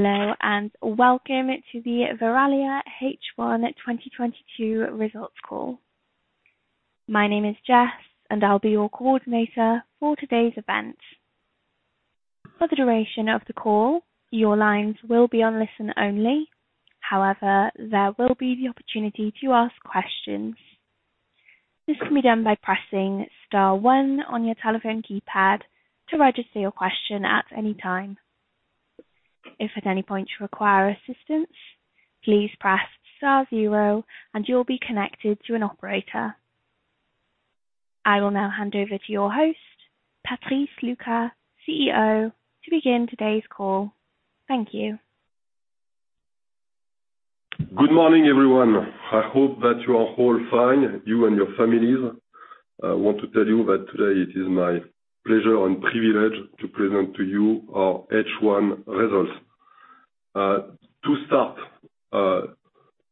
Hello, and welcome to the Verallia H1 2022 results call. My name is Jess, and I'll be your coordinator for today's event. For the duration of the call, your lines will be on listen-only. However, there will be the opportunity to ask questions. This can be done by pressing star one on your telephone keypad to register your question at any time. If at any point you require assistance, please press star zero and you'll be connected to an operator. I will now hand over to your host, Patrice Lucas, CEO, to begin today's call. Thank you. Good morning, everyone. I hope that you are all fine, you and your families. I want to tell you that today it is my pleasure and privilege to present to you our H1 results.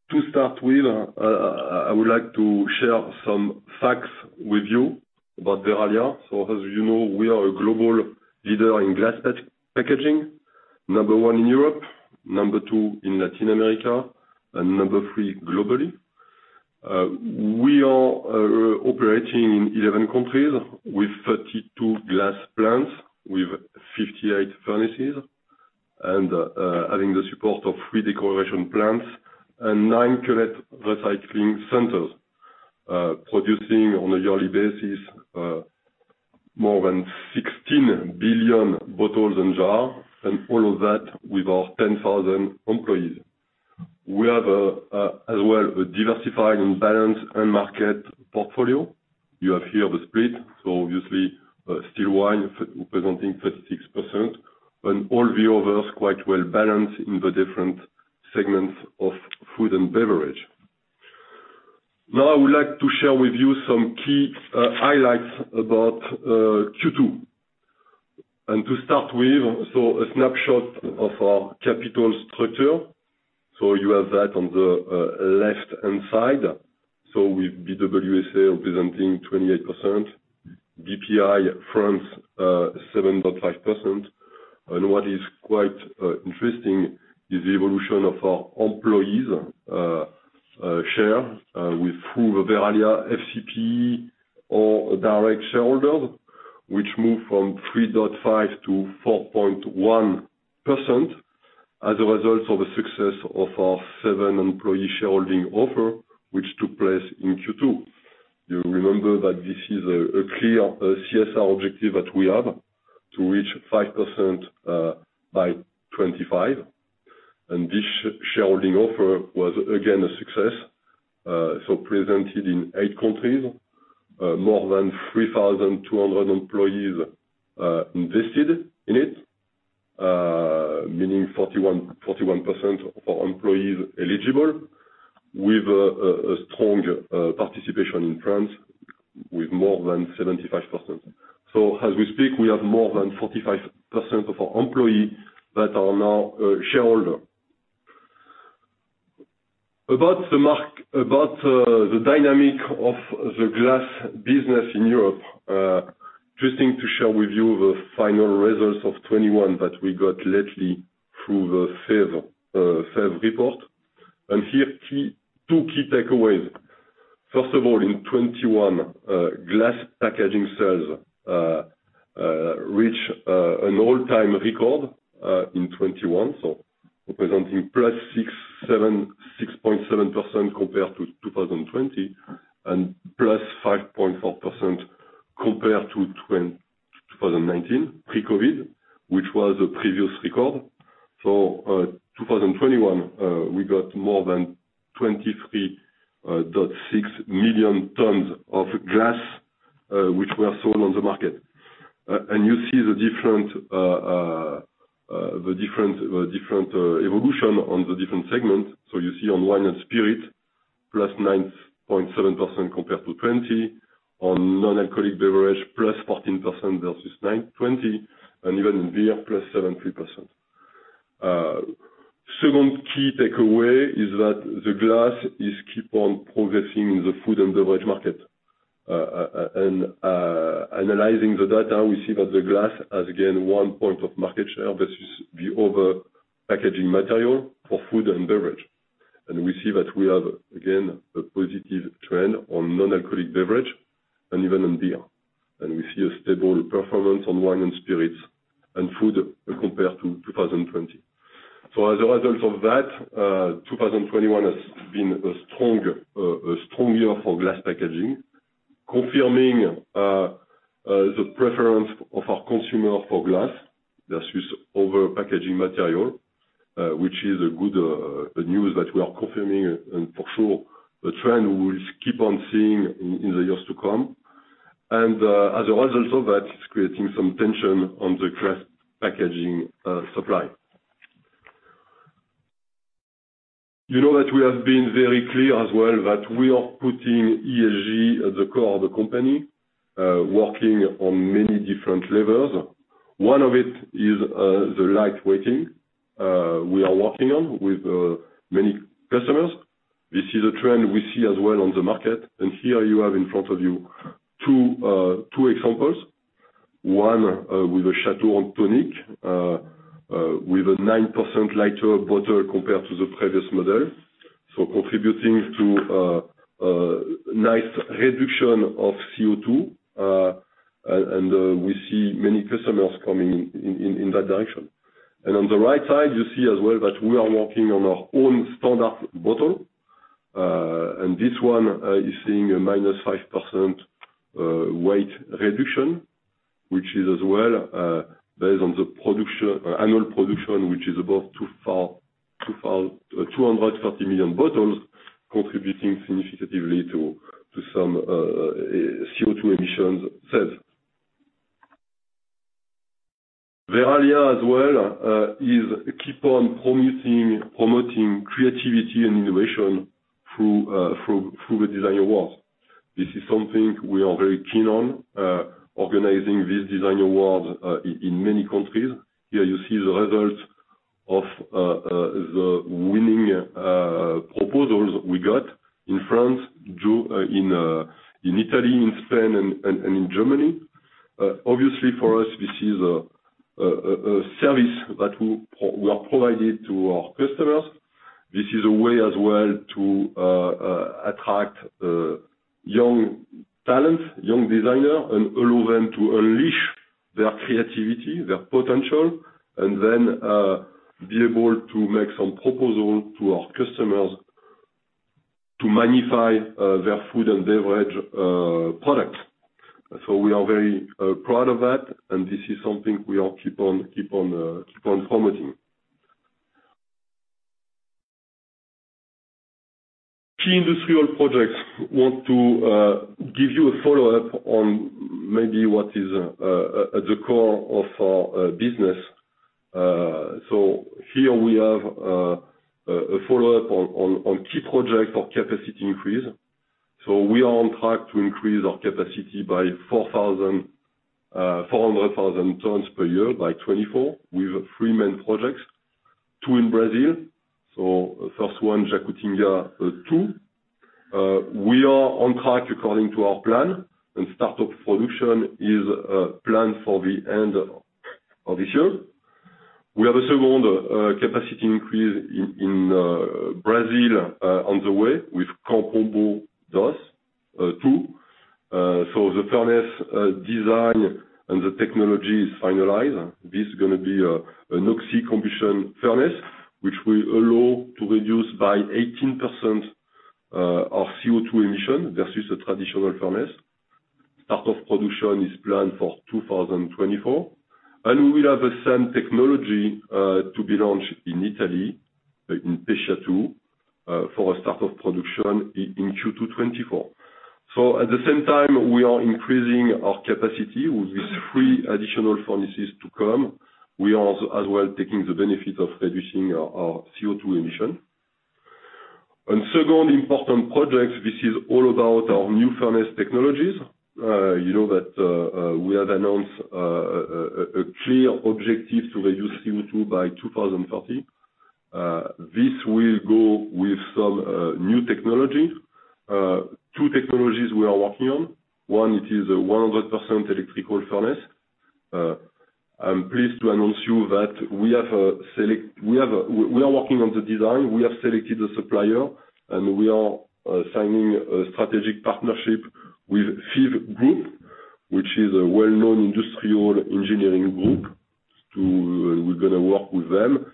To start with, I would like to share some facts with you about Verallia. As you know, we are a global leader in glass packaging. Number one in Europe, number two in Latin America, and number three globally. We are operating in 11 countries with 32 glass plants, with 58 furnaces and having the support of three decoration plants and nine cullet recycling centers, producing on a yearly basis more than 16 billion bottles and jars, and all of that with our 10,000 employees. We have, as well, a diversified and balanced end market portfolio. You have here the split, so obviously, still wine presenting 36% and all the others quite well-balanced in the different segments of food and beverage. Now, I would like to share with you some key highlights about Q2. To start with, so a snapshot of our capital structure. You have that on the left-hand side. With BWSA representing 28%, Bpifrance 7.5%. What is quite interesting is the evolution of our employees' share with Verallia FCPE or direct shareholder, which moved from 3.5% to 4.1% as a result of the success of our 7 employee shareholding offer, which took place in Q2. You remember that this is a clear CSR objective that we have to reach 5% by 2025, and this shareholding offer was again a success. Presented in eight countries, more than 3,200 employees invested in it, meaning 41% of our employees eligible with a strong participation in France with more than 75%. As we speak, we have more than 45% of our employees that are now shareholder. About the dynamic of the glass business in Europe, interesting to share with you the final results of 2021 that we got lately through the FEVE report. Here are two key takeaways. First of all, in 2021, glass packaging sales reached an all-time record in 2021, so representing +6.7% compared to 2020, and +5.4% compared to 2019 pre-COVID, which was a previous record. 2021, we got more than 23.6 million tons of glass, which were sold on the market. And you see the different evolution on the different segments. You see on wine and spirit, +9.7% compared to 2020. On non-alcoholic beverage, +14% versus 2019, 2020, and even in beer, +7.3%. Second key takeaway is that the glass keeps on progressing in the food and beverage market. Analyzing the data, we see that the glass has, again, 1 point of market share versus the other packaging material for food and beverage. We see that we have, again, a positive trend on non-alcoholic beverage and even in beer. We see a stable performance on wine and spirits and food compared to 2020. As a result of that, 2021 has been a strong year for glass packaging, confirming the preference of our consumer for glass versus other packaging material, which is good news that we are confirming and for sure a trend we will keep on seeing in the years to come. As a result of that, it's creating some tension on the glass packaging supply. You know that we have been very clear as well that we are putting ESG at the core of the company, working on many different levels. One of it is the lightweighting we are working on with many customers. This is a trend we see as well on the market. Here you have in front of you two examples. One with a Château Haut-Brion with a 9% lighter bottle compared to the previous model. Contributing to a nice reduction of CO2 and we see many customers coming in that direction. On the right side, you see as well that we are working on our own standard bottle, and this one is seeing a minus 5% weight reduction, which is as well based on the annual production, which is about 230 million bottles, contributing significantly to some CO2 emission savings. Verallia as well is keen on promoting creativity and innovation through the design awards. This is something we are very keen on organizing this design award in many countries. Here you see the results of the winning proposals we got in France, in Italy, in Spain and in Germany. Obviously for us, this is a service that we are providing to our customers. This is a way as well to attract young talent, young designer, and allow them to unleash their creativity, their potential, and then be able to make some proposal to our customers to magnify their food and beverage products. We are very proud of that, and this is something we keep on promoting. Key industrial projects. We want to give you a follow-up on maybe what is at the core of our business. Here we have a follow-up on key projects for capacity increase. We are on track to increase our capacity by 4,400,000 tons per year by 2024. We have three main projects, two in Brazil. First one, Jacutinga II. We are on track according to our plan, and start of production is planned for the end of this year. We have a second capacity increase in Brazil on the way with Campo Bom 2. The furnace design and the technology is finalized. This is gonna be an oxy-combustion furnace, which will allow to reduce by 18% our CO2 emission versus a traditional furnace. Start of production is planned for 2024. We will have the same technology to be launched in Italy, in Pescia II, for a start of production in Q2 2024. At the same time, we are increasing our capacity with these three additional furnaces to come. We are also as well taking the benefit of reducing our CO2 emission. Our second important projects, this is all about our new furnace technologies. You know that we have announced a clear objective to reduce CO2 by 2030. This will go with some new technology. Two technologies we are working on. One, it is a 100% electrical furnace. I'm pleased to announce to you that we are working on the design. We have selected a supplier, and we are signing a strategic partnership with Fives Group, which is a well-known industrial engineering group. We're gonna work with them.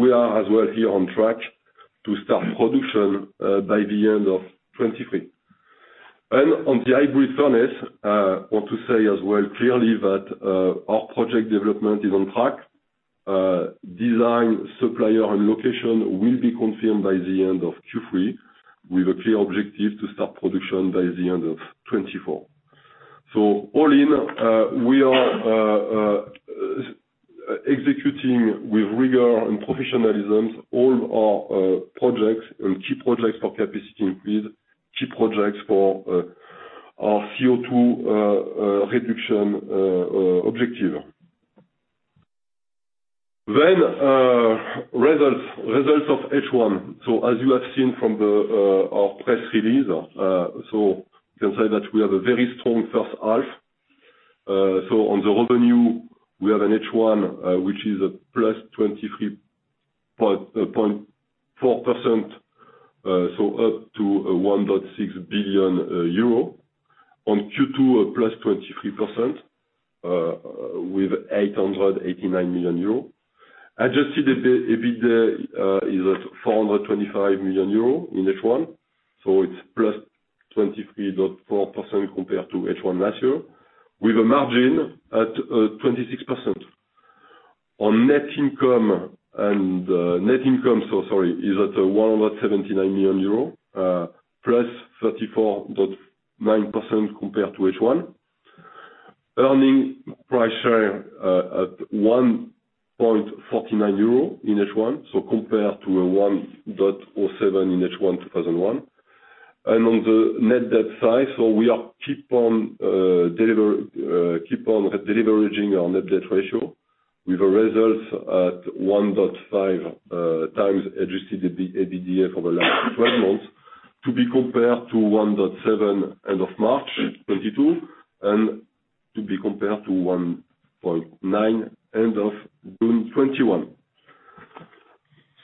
We are as well here on track to start production by the end of 2023. On the hybrid furnace, want to say as well clearly that our project development is on track. Design, supplier and location will be confirmed by the end of Q3, with a clear objective to start production by the end of 2024. All in, we are executing with rigor and professionalism all our projects and key projects for capacity increase, key projects for our CO2 reduction objective. Results of H1. As you have seen from our press release, you can say that we have a very strong first half. On the revenue, we have an H1, which is +23.4%, so up to 1.6 billion euro. On Q2, +23%, with 889 million euro. Adjusted EBITDA is at 425 million euros in H1, so it's +23.4% compared to H1 last year, with a margin at 26%. On net income, so sorry, is at 179 million euro, +34.9% compared to H1. Earnings per share at EUR 1.49 in H1, so compared to 1.07 in H1 2021. On the net debt side, we keep on deleveraging our net debt ratio with a result at 1.5 times adjusted EBITDA for the last 12 months. To be compared to 1.7 end of March 2022, and to be compared to 1.9 end of June 2021.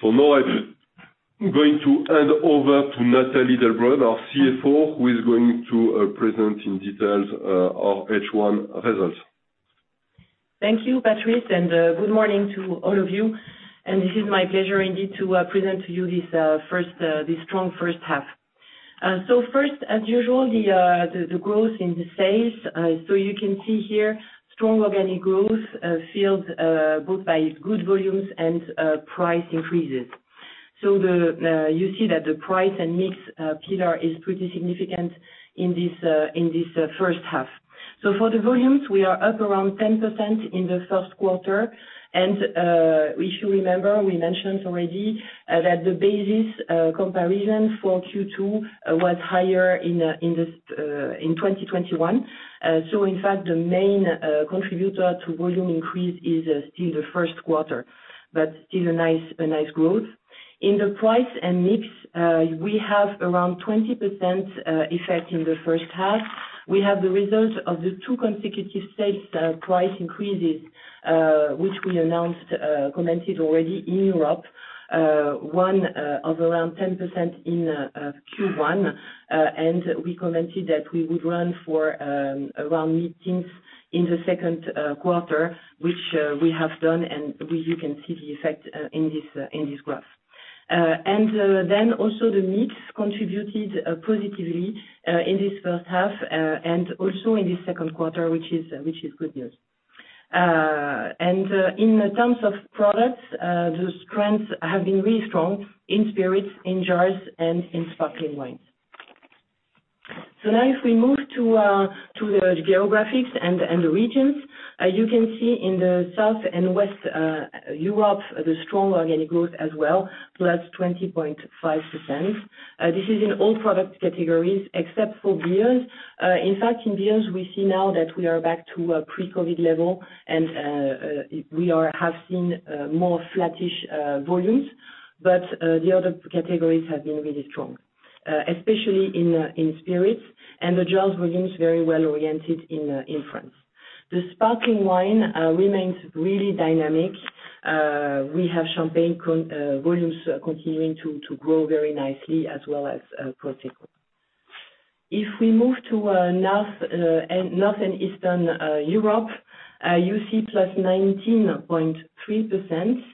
Now I'm going to hand over to Nathalie Delbreuve, our CFO, who is going to present in detail our H1 results. Thank you, Patrice, and good morning to all of you. This is my pleasure indeed to present to you this strong first half. First, as usual, the growth in the sales. You can see here strong organic growth, fueled both by good volumes and price increases. You see that the price and mix pillar is pretty significant in this first half. For the volumes, we are up around 10% in the first quarter. We should remember, we mentioned already, that the basis comparison for Q2 was higher in 2021. In fact, the main contributor to volume increase is still the first quarter, but still a nice growth. In the price and mix, we have around 20% effect in the first half. We have the results of the two consecutive sales price increases, which we announced, commented already in Europe. One of around 10% in Q1. We commented that we would run for around mid-teens in the second quarter, which we have done and you can see the effect in this graph. Also the mix contributed positively in this first half and also in the second quarter, which is good news. In terms of products, the trends have been really strong in spirits, in jars, and in sparkling wines. Now if we move to the geographies and the regions, you can see in the South and West Europe the strong organic growth as well, +20.5%. This is in all product categories except for beers. In fact, in beers, we see now that we are back to a pre-COVID level and we have seen more flattish volumes. The other categories have been really strong, especially in spirits and the jars volumes very well oriented in France. The sparkling wine remains really dynamic. We have Champagne volumes continuing to grow very nicely as well as Prosecco. If we move to North and Eastern Europe, you see +19.3%.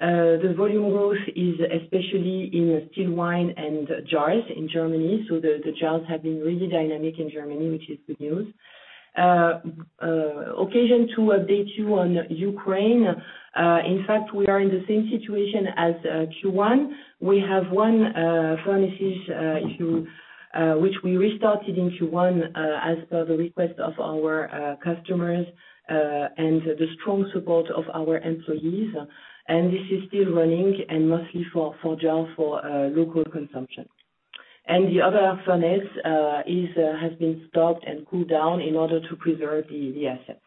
The volume growth is especially in still wine and jars in Germany. The jars have been really dynamic in Germany, which is good news. Occasion to update you on Ukraine. In fact, we are in the same situation as Q1. We have one furnace which we restarted in Q1 as per the request of our customers and the strong support of our employees. This is still running and mostly for jars for local consumption. The other furnace has been stopped and cooled down in order to preserve the assets.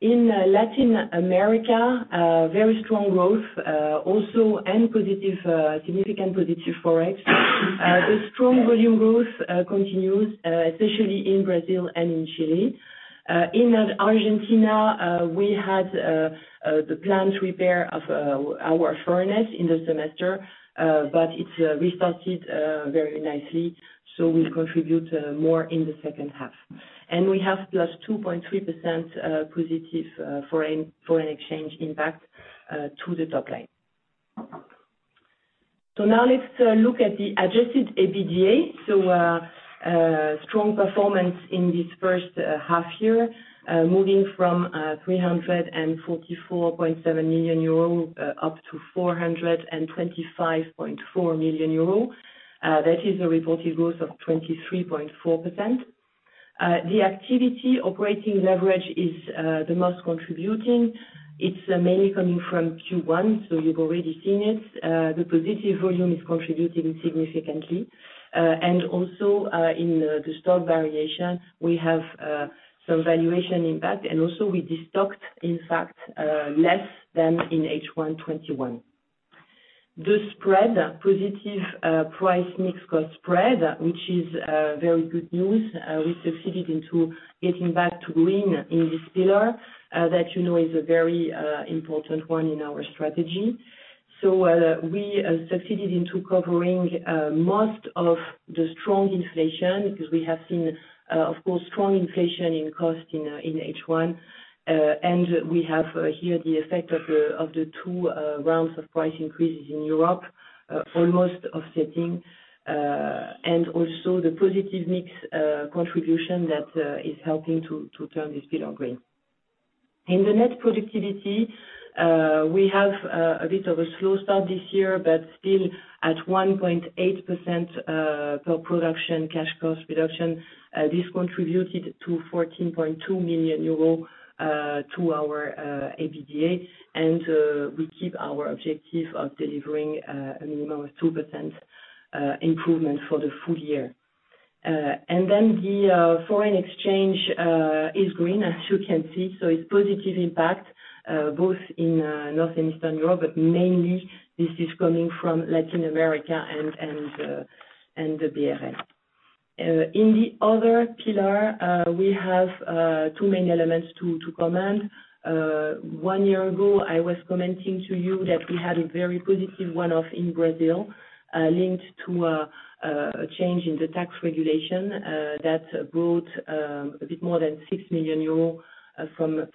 In Latin America, very strong growth also and positive significant positive Forex. The strong volume growth continues especially in Brazil and in Chile. In Argentina, we had the plant repair of our furnace in the semester, but it's restarted very nicely, so will contribute more in the second half. We have +2.3% positive foreign exchange impact to the top line. Now let's look at the adjusted EBITDA. Strong performance in this first half year, moving from 344.7 million euro up to 425.4 million euro. That is a reported growth of 23.4%. The activity operating leverage is the most contributing. It's mainly coming from Q1, so you've already seen it. The positive volume is contributing significantly. In the stock variation, we have some valuation impact, and also we destocked, in fact, less than in H1 2021. The positive price-mix-cost spread, which is very good news. We succeeded into getting back to green in this pillar that you know is a very important one in our strategy. We succeeded into covering most of the strong inflation because we have seen, of course, strong inflation in cost in H1. We have here the effect of the two rounds of price increases in Europe almost offsetting, and also the positive mix contribution that is helping to turn this pillar green. In the net productivity, we have a bit of a slow start this year, but still at 1.8% per production cash cost reduction. This contributed to 14.2 million euro to our EBITDA. We keep our objective of delivering a minimum of 2% improvement for the full year. The foreign exchange is green, as you can see. It's positive impact both in North and Eastern Europe, but mainly this is coming from Latin America and the BRL. In the other pillar, we have two main elements to comment. One year ago, I was commenting to you that we had a very positive one-off in Brazil linked to a change in the tax regulation that brought a bit more than 6 million euros from the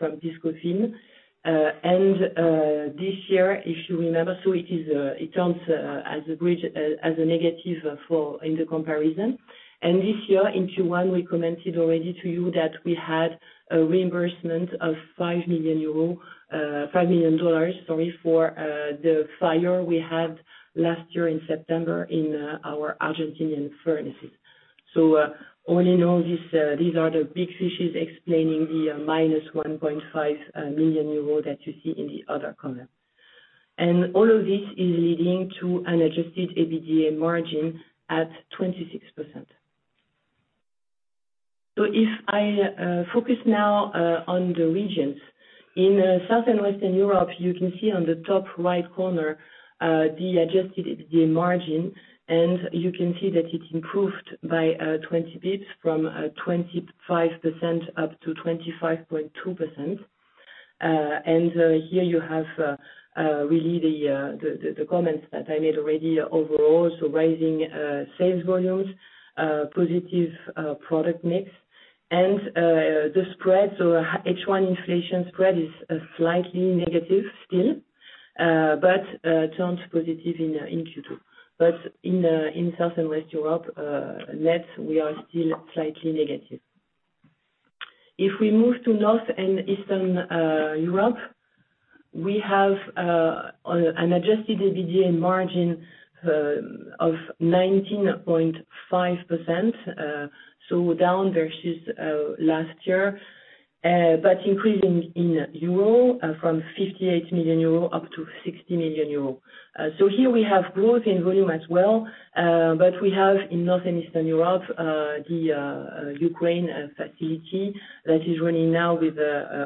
ICMS. This year, if you remember, it counts as a bridge, as a negative in the comparison. This year, in Q1, we commented already to you that we had a reimbursement of $5 million, sorry, for the fire we had last year in September in our Argentine furnaces. All in all, these are the big issues explaining the minus 1.5 million euro that you see in the other column. All of this is leading to an Adjusted EBITDA margin at 26%. If I focus now on the regions, in Southern and Western Europe, you can see on the top right corner the Adjusted EBITDA margin, and you can see that it improved by 20 basis points from 25% up to 25.2%. Here you have really the comments that I made already overall. Rising sales volumes, positive product mix, and the spread. H1 inflation spread is slightly negative still, but turns positive in Q2. In Southern and Western Europe, net, we are still slightly negative. If we move to North and Eastern Europe, we have an Adjusted EBITDA margin of 19.5%, so down versus last year, but increasing in euro from 58 million euro up to 60 million euro. Here we have growth in volume as well, but we have in North and Eastern Europe the Ukraine facility that is running now with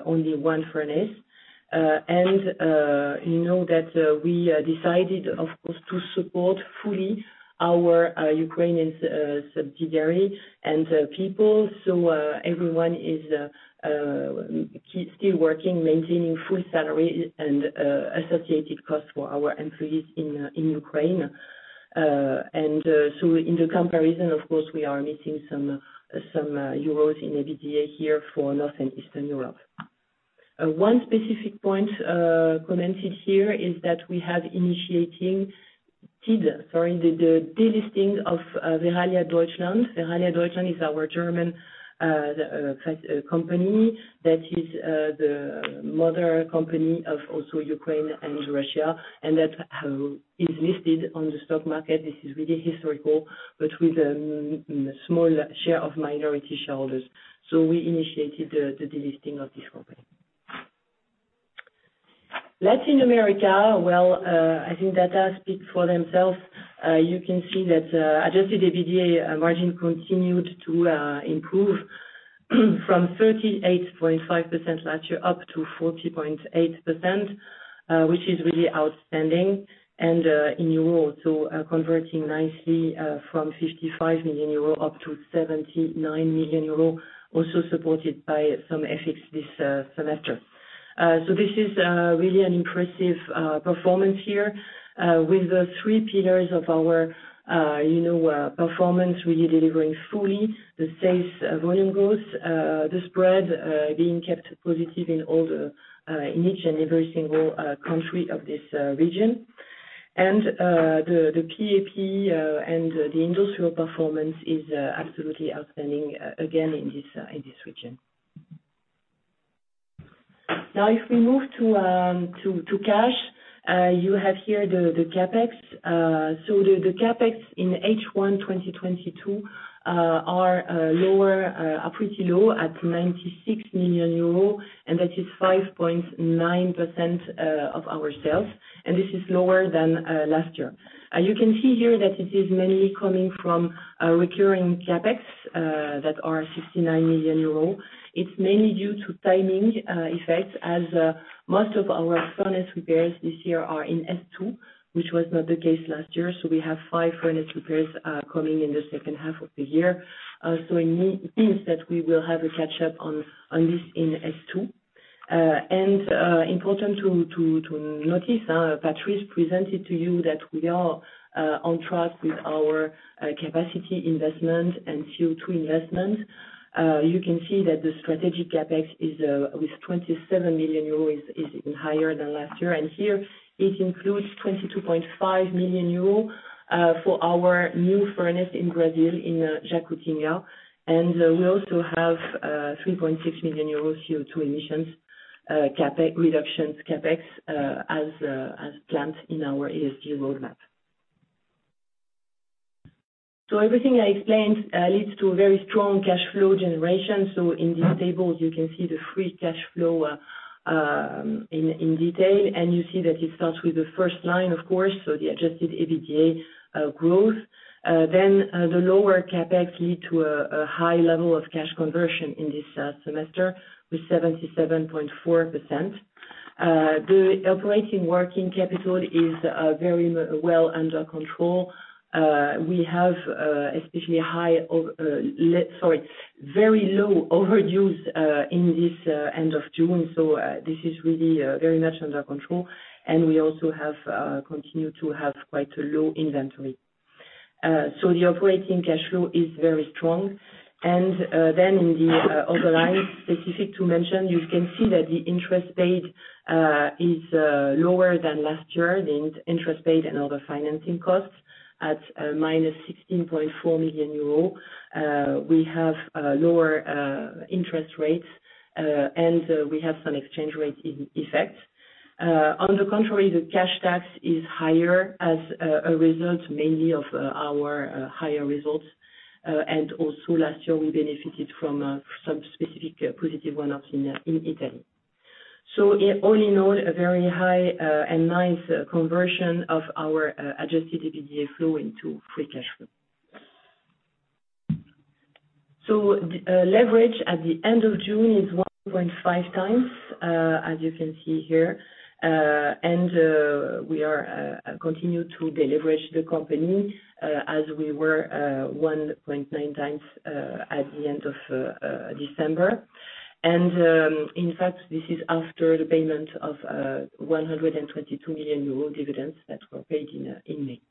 only one furnace. You know that we decided, of course, to support fully our Ukrainian subsidiary and people. Everyone is still working, maintaining full salary and associated costs for our employees in Ukraine. In the comparison, of course, we are missing some euros in EBITDA here for North and Eastern Europe. One specific point commented here is that we have initiated the delisting of Verallia Deutschland. Verallia Deutschland is our German company that is the mother company of also Ukraine and Russia, and that is listed on the stock market. This is really historical, but with small share of minority shareholders. We initiated the delisting of this company. Latin America, well, I think data speak for themselves. You can see that adjusted EBITDA margin continued to improve from 38.5% last year up to 40.8%, which is really outstanding and in euro, so converting nicely from 55 million euro up to 79 million euro, also supported by some FX this semester. This is really an impressive performance here with the three pillars of our you know performance really delivering fully the sales volume growth, the spread being kept positive in each and every single country of this region. The PAP and the industrial performance is absolutely outstanding again in this region. Now if we move to cash, you have here the CapEx. The CapEx in H1 2022 are pretty low at 96 million euro, and that is 5.9% of our sales, and this is lower than last year. You can see here that it is mainly coming from recurring CapEx that are 69 million euros. It's mainly due to timing effects as most of our furnace repairs this year are in S2, which was not the case last year. We have five furnace repairs coming in the second half of the year. It means that we will have a catch-up on this in S2. Important to notice, Patrice presented to you that we are on track with our capacity investment and CO2 investment. You can see that the strategic CapEx is with 27 million euros even higher than last year. Here it includes 22.5 million euros for our new furnace in Brazil in Jacutinga. We also have 3.6 million euros CO2 emissions reductions CapEx as planned in our ESG roadmap. Everything I explained leads to a very strong cash flow generation. In this table, you can see the free cash flow in detail, and you see that it starts with the first line, of course, the Adjusted EBITDA growth. Then the lower CapEx lead to a high level of cash conversion in this semester with 77.4%. The operating working capital is very well under control. We have especially very low overages in this end of June. This is really very much under control, and we also have continued to have quite low inventory. The operating cash flow is very strong. In the other line, specific to mention, you can see that the interest paid is lower than last year, the interest paid and other financing costs at -16.4 million euro. We have lower interest rates, and we have some exchange rate effect. On the contrary, the cash tax is higher as a result mainly of our higher results. Also last year, we benefited from some specific positive one-offs in Italy. In all, a very high and nice conversion of our Adjusted EBITDA flow into free cash flow. The leverage at the end of June is 1.5 times, as you can see here. We continue to deleverage the company, as we were 1.9 times at the end of December. In fact, this is after the payment of 122 million euro dividends that were paid in May.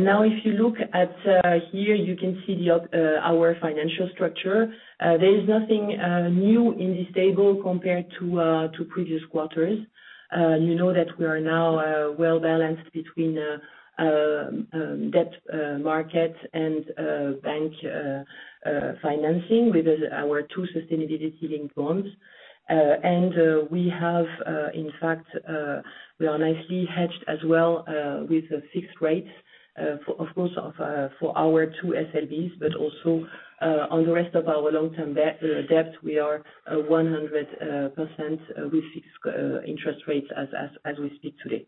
Now if you look at here, you can see our financial structure. There is nothing new in this table compared to previous quarters. You know that we are now well-balanced between debt market and bank financing with our two sustainability-linked bonds. We are nicely hedged as well with the fixed rates for, of course, our two SLBs, but also on the rest of our long-term debt. We are 100% with fixed interest rates as we speak today.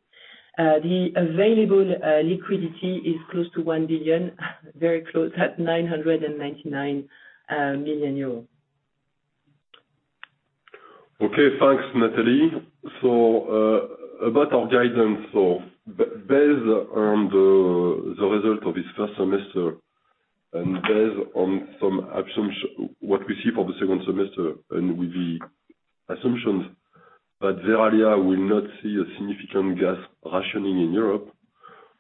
The available liquidity is close to 1 billion, very close at 999 million euros. Okay. Thanks, Nathalie. About our guidance, based on the result of this first semester and based on what we see for the second semester and with the assumptions that Verallia will not see a significant gas rationing in Europe,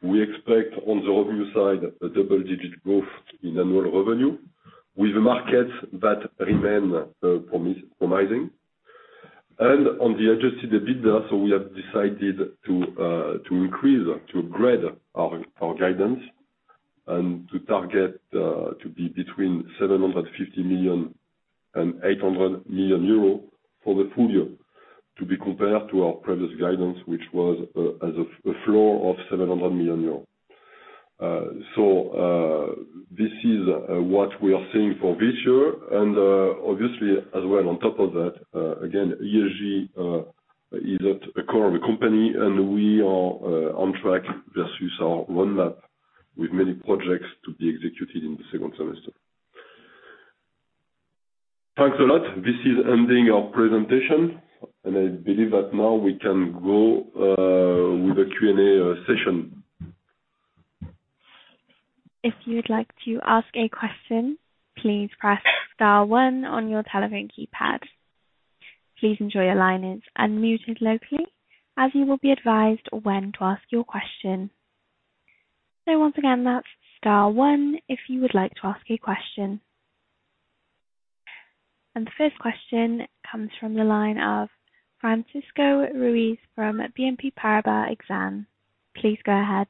we expect on the revenue side a double-digit growth in annual revenue with markets that remain promising. On the Adjusted EBITDA, we have decided to upgrade our guidance and to target to be between 750 million and 800 million euro for the full year, to be compared to our previous guidance, which was as a floor of 700 million euros. This is what we are seeing for this year, and obviously as well on top of that, again, ESG is at the core of the company, and we are on track to pursue our roadmap with many projects to be executed in the second semester. Thanks a lot. This is ending our presentation. I believe that now we can go with the Q&A session. If you would like to ask a question, please press star one on your telephone keypad. Please ensure your line is unmuted locally, as you will be advised when to ask your question. Once again, that's star one if you would like to ask a question. The first question comes from the line of Francisco Ruiz from BNP Paribas Exane. Please go ahead.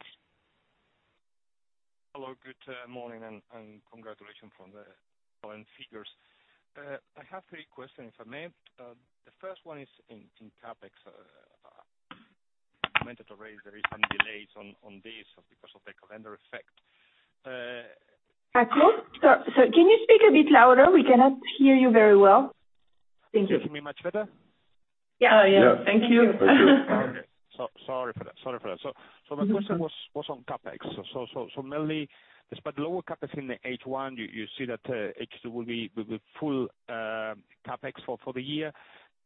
Hello. Good morning, and congratulations on the current figures. I have three questions, if I may. The first one is in CapEx. I meant to raise there is some delays on this because of the calendar effect. I'm sorry. Can you speak a bit louder? We cannot hear you very well. Thank you. Can you hear me much better? Yeah. Yeah. Thank you. Thank you. Sorry for that. My question was on CapEx. Mainly, despite lower CapEx in the H1, you see that H2 will be full CapEx for the year.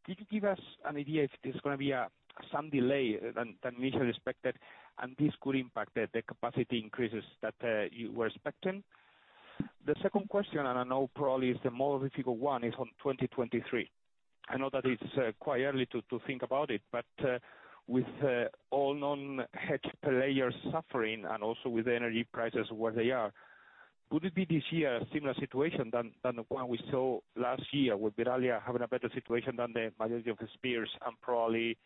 Can you give us an idea if there's gonna be some delay than we had expected, and this could impact the capacity increases that you were expecting? The second question, and I know probably it's the more difficult one, is on 2023. I know that it's quite early to think about it, but with all non-hedged players suffering and also with the energy prices where they are, could it be this year a similar situation than the one we saw last year with Verallia having a better situation than the majority of its peers and probably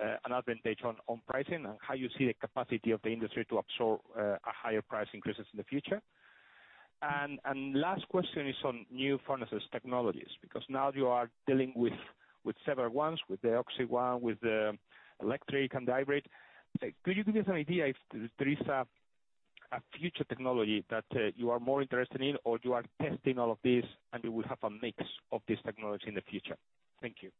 an advantage on pricing and how you see the capacity of the industry to absorb a higher price increases in the future? Last question is on new furnaces technologies, because now you are dealing with several ones, with the oxy one, with the electric and hybrid. Could you give us an idea if there is a future technology that you are more interested in, or you are testing all of these, and you will have a mix of these technologies in the future. Thank you.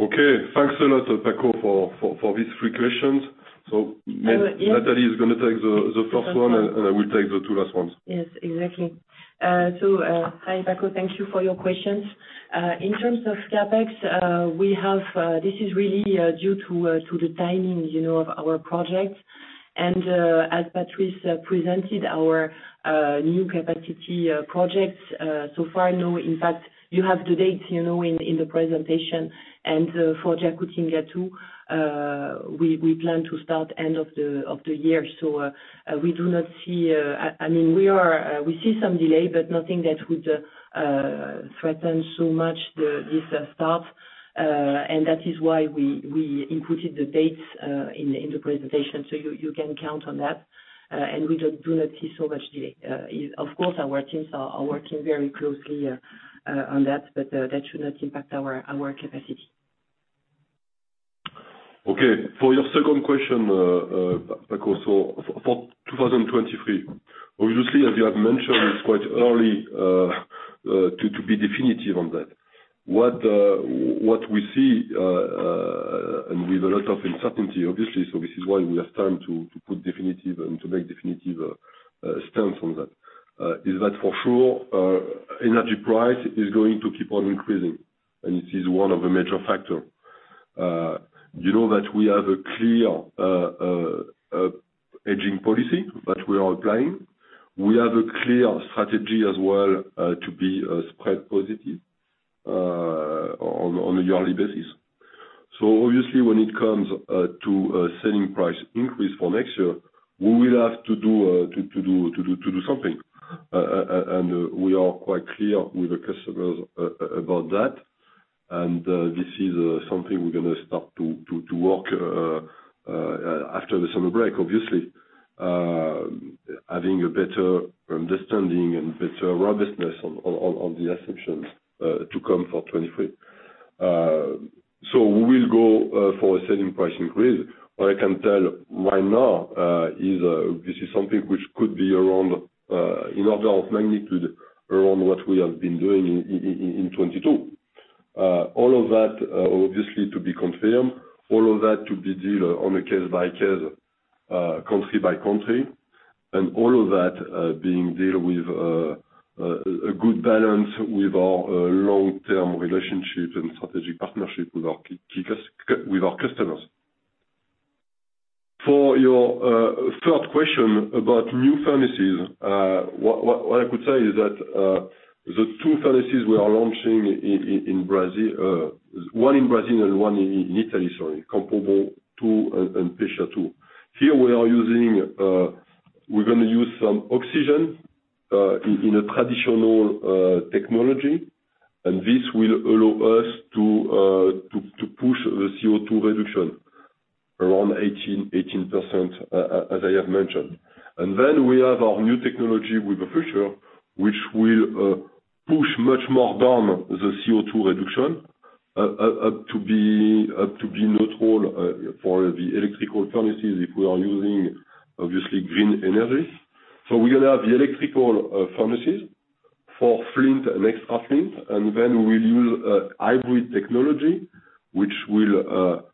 Okay. Thanks a lot, Franco, for these three questions. I will, yes. Nathalie is gonna take the first one. Yes, of course. I will take the two last ones. Yes, exactly. Hi Franco, thank you for your questions. In terms of CapEx, we have, this is really due to the timing, you know, of our projects. As Patrice presented our new capacity projects, so far, no impact. You have the dates, you know, in the presentation. For Jacutinga too, we plan to start end of the year. We do not see. I mean, we see some delay, but nothing that would threaten so much this start. That is why we included the dates in the presentation. You can count on that. We do not see so much delay. Of course our teams are working very closely on that, but that should not impact our capacity. Okay. For your second question, Franco. For 2023, obviously as you have mentioned, it's quite early to be definitive on that. What we see and with a lot of uncertainty obviously, so this is why we have time to put definitive and to make definitive stance on that, is that for sure, energy price is going to keep on increasing, and this is one of the major factor. You know that we have a clear hedging policy that we are applying. We have a clear strategy as well to be spread positive on a yearly basis. Obviously when it comes to a selling price increase for next year, we will have to do something. We are quite clear with the customers about that. This is something we're gonna start to work after the summer break, obviously. Having a better understanding and better robustness on the assumptions to come for 2023. We will go for a selling price increase. What I can tell right now is this is something which could be around, in order of magnitude, around what we have been doing in 2022. All of that obviously to be confirmed, all of that to be dealt on a case by case, country by country, and all of that being dealt with a good balance with our long-term relationships and strategic partnership with our key customers. For your third question about new furnaces, what I could say is that the two furnaces we are launching in Brazil and in Italy, sorry, one in Brazil and one in Italy, comparable to in Pescia too. Here we are using, we're gonna use some oxygen in a traditional technology, and this will allow us to to push the CO2 reduction around 18%. As I have mentioned. We have our new technology with the future, which will push much more down the CO2 reduction up to be neutral for the electrical furnaces if we are using, obviously, green energies. We're gonna have the electrical furnaces for Flint and Extra Flint, and then we'll use hybrid technology, which will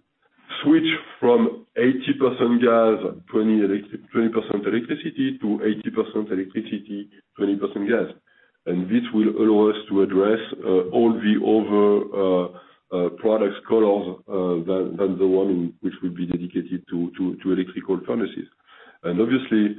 switch from 80% gas, 20% electricity to 80% electricity, 20% gas. This will allow us to address all the other products colors than the one in which will be dedicated to electrical furnaces. Obviously,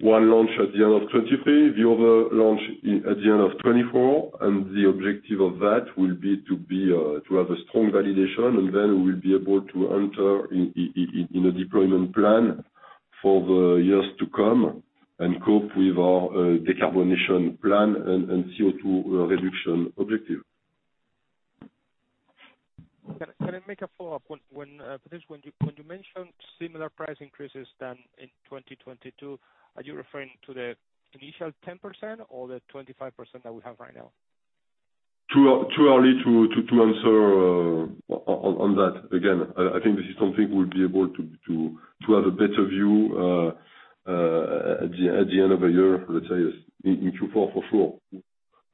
one launch at the end of 2023, the other launch at the end of 2024. The objective of that will be to have a strong validation, and then we'll be able to enter in a deployment plan for the years to come and cope with our decarbonization plan and CO2 reduction objective. Can I make a follow-up? When Patrice, when you mentioned similar price increases than in 2022, are you referring to the initial 10% or the 25% that we have right now? Too early to answer on that. Again, I think this is something we'll be able to have a better view at the end of the year, let's say in Q4 for sure,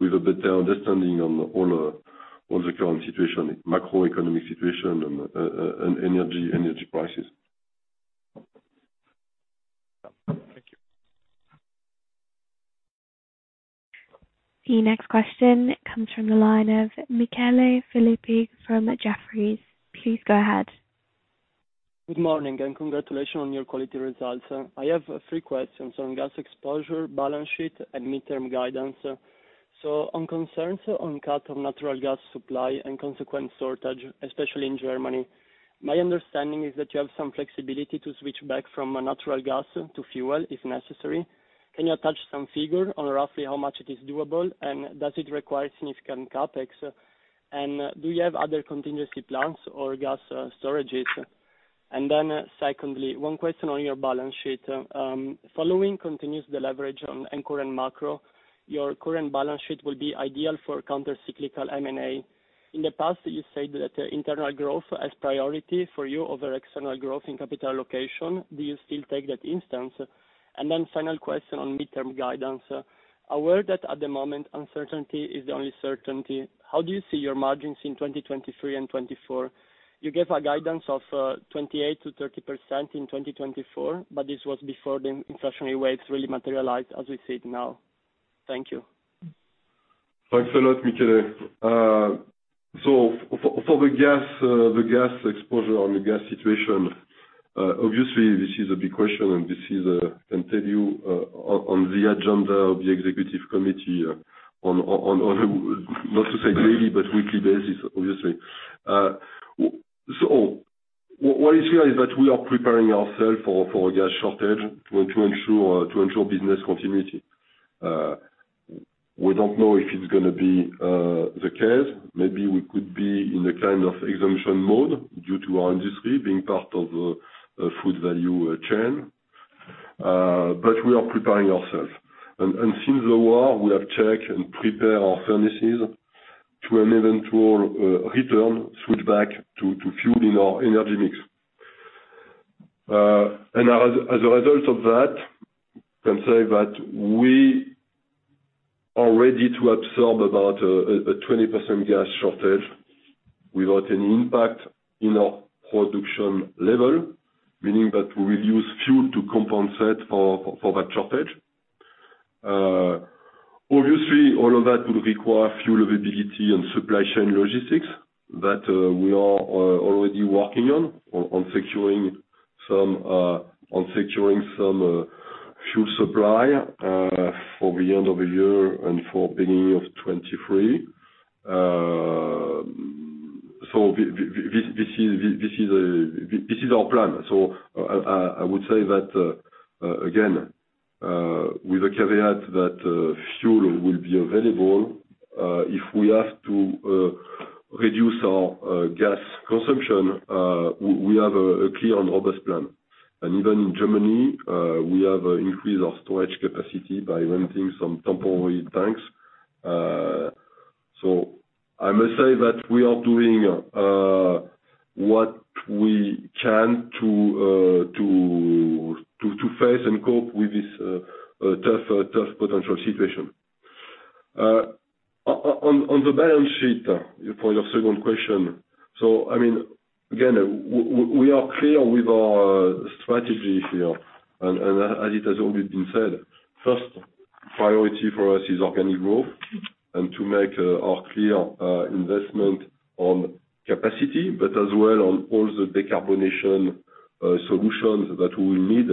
with a better understanding on all the current situation, macroeconomic situation and energy prices. Thank you. The next question comes from the line of Michele Filippi from Jefferies. Please go ahead. Good morning, and congratulations on your quality results. I have three questions on gas exposure, balance sheet, and midterm guidance. On concerns on cut-off of natural gas supply and consequent shortage, especially in Germany, my understanding is that you have some flexibility to switch back from a natural gas to fuel if necessary. Can you attach some figure on roughly how much it is doable, and does it require significant CapEx? Do you have other contingency plans or gas storages? Secondly, one question on your balance sheet. Following continuous deleveraging and current macro, your current balance sheet will be ideal for counter-cyclical M&A. In the past you said that internal growth has priority for you over external growth and capital allocation. Do you still take that stance? Final question on midterm guidance. Aware that at the moment uncertainty is the only certainty, how do you see your margins in 2023 and 2024? You gave a guidance of 28%-30% in 2024, but this was before the inflationary rates really materialized as we see it now. Thank you. Thanks a lot, Michele. So for the gas, the gas exposure on the gas situation, obviously this is a big question and this is continuing on the agenda of the executive committee on not to say daily, but weekly basis, obviously. So what is clear is that we are preparing ourselves for a gas shortage to ensure business continuity. We don't know if it's gonna be the case, maybe we could be in a kind of exemption mode due to our industry being part of a food value chain. We are preparing ourselves. Since the war, we have checked and prepared our furnaces to an eventual return switch back to fuel in our energy mix. As a result of that, we can say that we are ready to absorb about a 20% gas shortage without any impact in our production level, meaning that we'll use fuel to compensate for that shortage. Obviously all of that will require fuel availability and supply chain logistics that we are already working on securing some fuel supply for the end of the year and for beginning of 2023. This is our plan. I would say that, again, with the caveat that fuel will be available, if we have to reduce our gas consumption, we have a clear and robust plan. Even in Germany, we have increased our storage capacity by renting some temporary tanks. I must say that we are doing what we can to face and cope with this tough potential situation. On the balance sheet, for your second question, I mean, again, we are clear with our strategy here and as it has already been said, first priority for us is organic growth and to make our clear investment on capacity, but as well on all the decarbonation solutions that we will need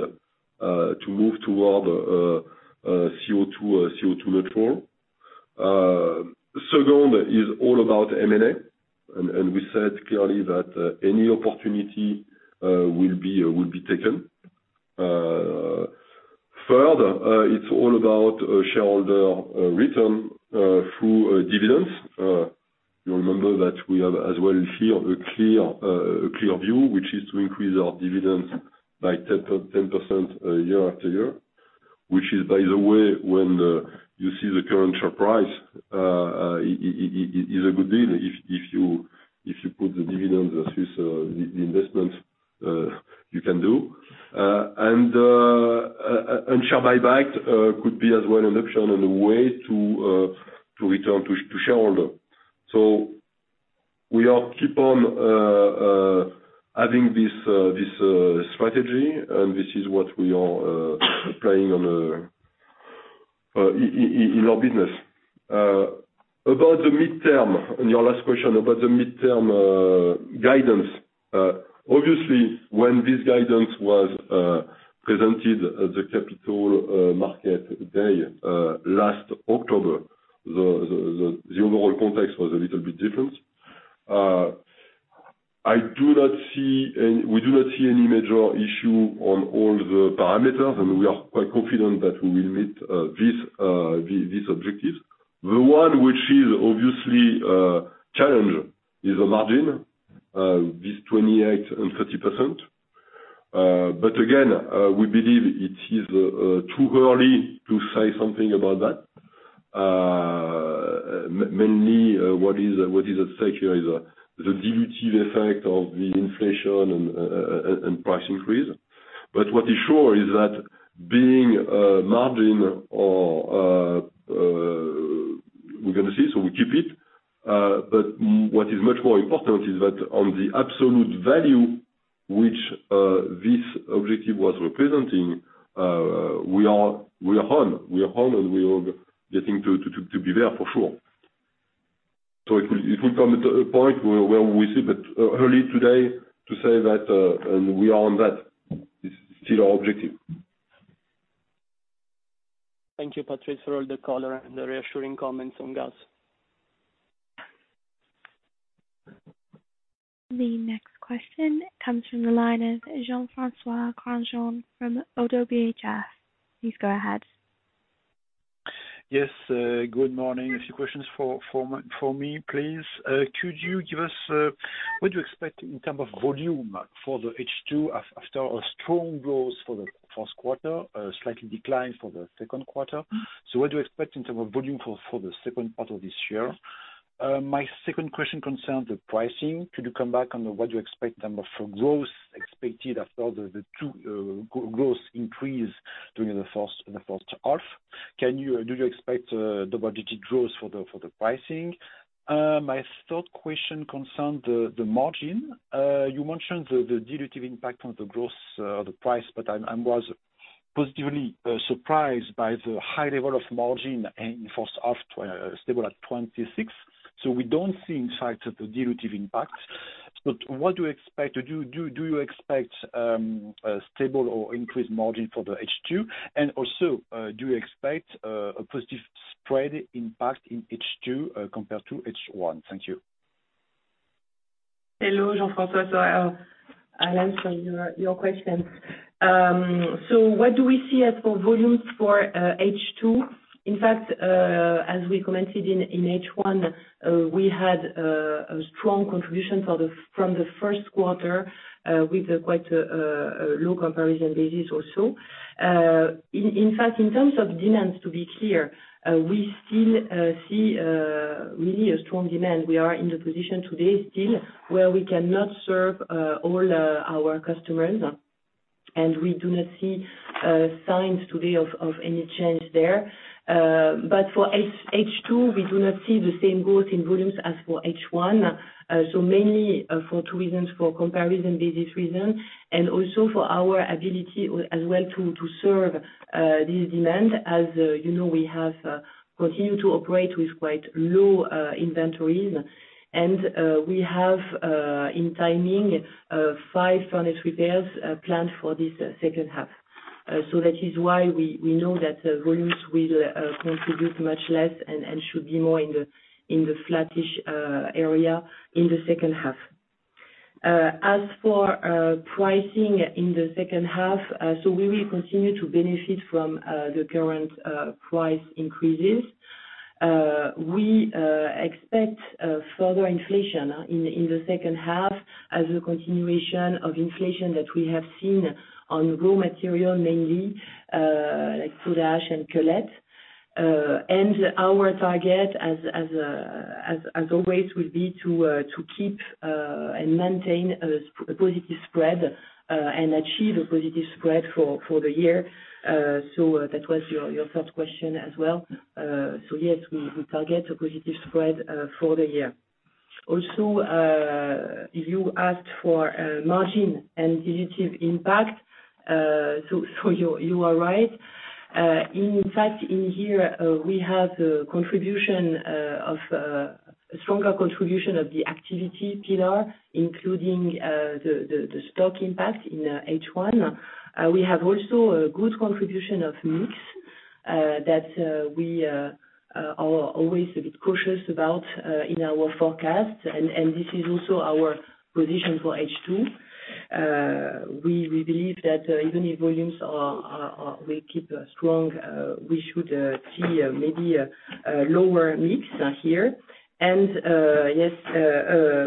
to move toward CO2 net zero. Second is all about M&A and we said clearly that any opportunity will be taken. Further, it's all about shareholder return through dividends. You remember that we have as well here a clear view, which is to increase our dividends by 10% year-after-year. Which is, by the way, when you see the current share price, is a good deal if you put the dividends versus the investments you can do. Share buyback could be as well an option and a way to return to shareholder. We are keep on having this strategy, and this is what we are planning on in our business. About the midterm, on your last question about the midterm guidance, obviously when this guidance was presented at the capital market day last October, the overall context was a little bit different. We do not see any major issue on all the parameters, and we are quite confident that we will meet this objective. The one which is obviously a challenge is the margin, this 28%-30%. Again, we believe it is too early to say something about that. Mainly, what is at stake here is the dilutive effect of the inflation and price increase. What is sure is that be it margin or, we're gonna see, so we keep it. What is much more important is that on the absolute value which this objective was representing, we are on and we are getting to be there for sure. It will come to a point where we see, but it's too early to say that, and we are on track. That is still our objective. Thank you, Patrice, for all the color and the reassuring comments on gas. The next question comes from the line of Jean-François Granjon from Oddo BHF. Please go ahead. Yes, good morning. A few questions from me, please. Could you give us what you expect in terms of volume for the H2 after a strong growth for the first quarter, a slight decline for the second quarter. What do you expect in terms of volume for the second part of this year? My second question concerns the pricing. Could you come back on what you expect in terms of growth expected after the two growth increases during the first half? Do you expect double-digit growth for the pricing? My third question concerns the margin. You mentioned the dilutive impact on the growth, the price, but I was positively surprised by the high level of margin in first half, stable at 26%. We don't see in fact the dilutive impact. What do you expect a stable or increased margin for the H2? Also, do you expect a positive spread impact in H2 compared to H1? Thank you. Hello, Jean-François. I'll answer your question. What do we see as for volumes for H2? In fact, as we commented in H1, we had a strong contribution from the first quarter with quite a low comparison basis also. In fact, in terms of demand, to be clear, we still see really a strong demand. We are in the position today still where we cannot serve all our customers. We do not see signs today of any change there. For H2, we do not see the same growth in volumes as for H1. Mainly, for two reasons, for comparison basis reason, and also for our ability as well to serve this demand. You know, we have continued to operate with quite low inventories. We have five furnace repairs planned for this second half. That is why we know that volumes will contribute much less and should be more in the flattish area in the second half. As for pricing in the second half, we will continue to benefit from the current price increases. We expect further inflation in the second half as a continuation of inflation that we have seen on raw material, mainly like soda ash and cullet. Our target as always will be to keep and maintain a positive spread and achieve a positive spread for the year. That was your third question as well. Yes, we target a positive spread for the year. Also, you asked for margin and dilutive impact. You are right. In fact, in here, we have a contribution of a stronger contribution of the activity pillar, including the stock impact in H1. We have also a good contribution of mix that we are always a bit cautious about in our forecast. This is also our position for H2. We believe that even if volumes will keep strong, we should see maybe a lower mix here. Yes,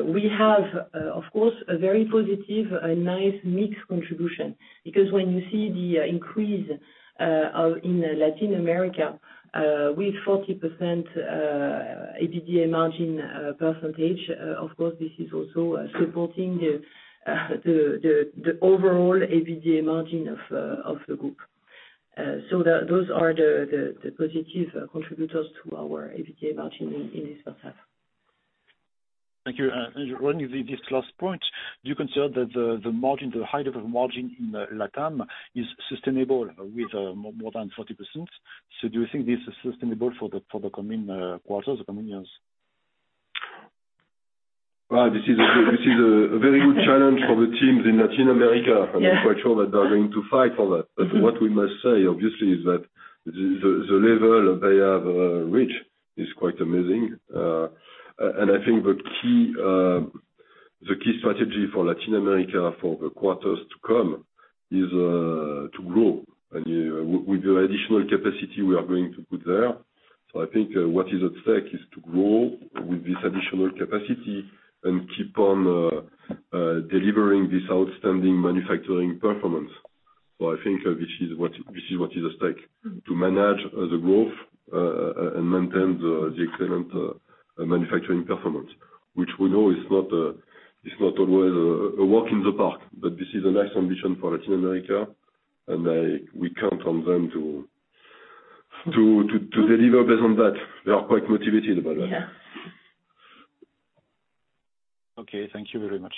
we have, of course, a very positive, nice mix contribution, because when you see the increase in Latin America with 40% EBITDA margin percentage, of course, this is also supporting the overall EBITDA margin of the group. Those are the positive contributors to our EBITDA margin in this first half. Thank you. Running with this last point, do you consider that the margin, the high margin in LatAm is sustainable with more than 40%? Do you think this is sustainable for the coming quarters, the coming years? Well, this is a very good challenge for the teams in Latin America. Yeah. I'm quite sure that they're going to fight for that. What we must say, obviously, is that the level they have reached is quite amazing. I think the key strategy for Latin America for the quarters to come is to grow. With the additional capacity we are going to put there. I think what is at stake is to grow with this additional capacity and keep on delivering this outstanding manufacturing performance. I think this is what is at stake, to manage the growth and maintain the excellent manufacturing performance, which we know is not always a walk in the park. This is the next ambition for Latin America, and we count on them to deliver based on that. They are quite motivated about that. Yeah. Okay, thank you very much.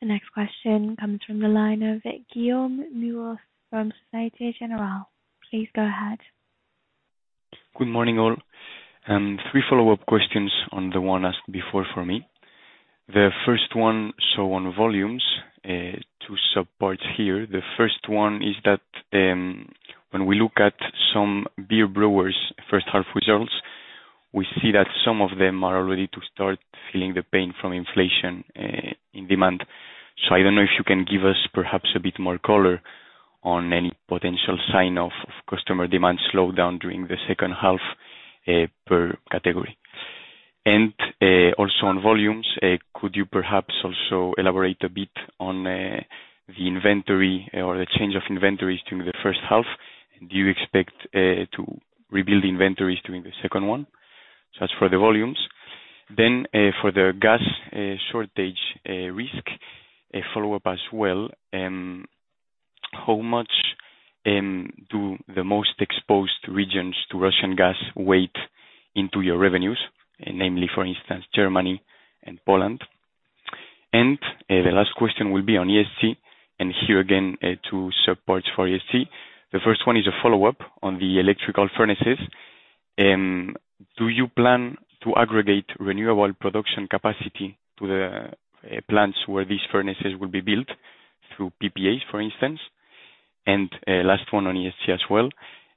The next question comes from the line of Philippe Lorrain from Société Générale. Please go ahead. Good morning, all. Three follow-up questions on the one asked before for me. The first one, so on volumes, two sub parts here. The first one is that, when we look at some beer brewers' first half results, we see that some of them are already starting to feel the pain from inflation in demand. I don't know if you can give us perhaps a bit more color on any potential sign of customer demand slowdown during the second half, per category. Also on volumes, could you perhaps also elaborate a bit on the inventory or the change of inventories during the first half? Do you expect to rebuild inventories during the second one? That's for the volumes. For the gas shortage risk, a follow-up as well, how much do the most exposed regions to Russian gas weigh into your revenues, namely, for instance, Germany and Poland? The last question will be on ESG. Here again, two sub-parts for ESG. The first one is a follow-up on the electrical furnaces. Do you plan to aggregate renewable production capacity to the plants where these furnaces will be built through PPAs, for instance? Last one on ESG as well,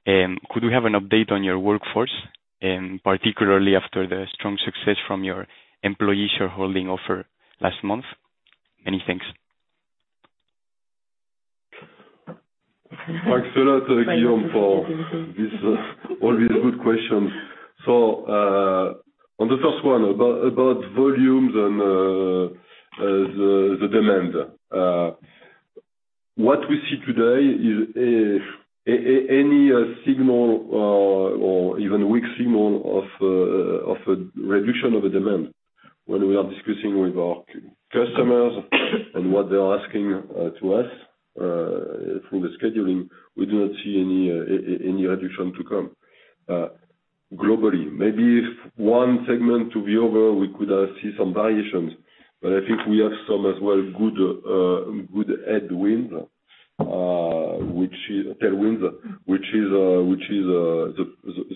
could we have an update on your workforce, and particularly after the strong success from your employee shareholding offer last month? Many thanks. Thanks a lot, Lorrain, for this, all these good questions. On the first one about volumes and the demand. What we see today is any signal or even weak signal of a reduction of the demand when we are discussing with our customers and what they are asking to us through the scheduling. We do not see any reduction to come globally. Maybe if one segment to be over, we could see some variations, but I think we have some as well good tailwinds, which is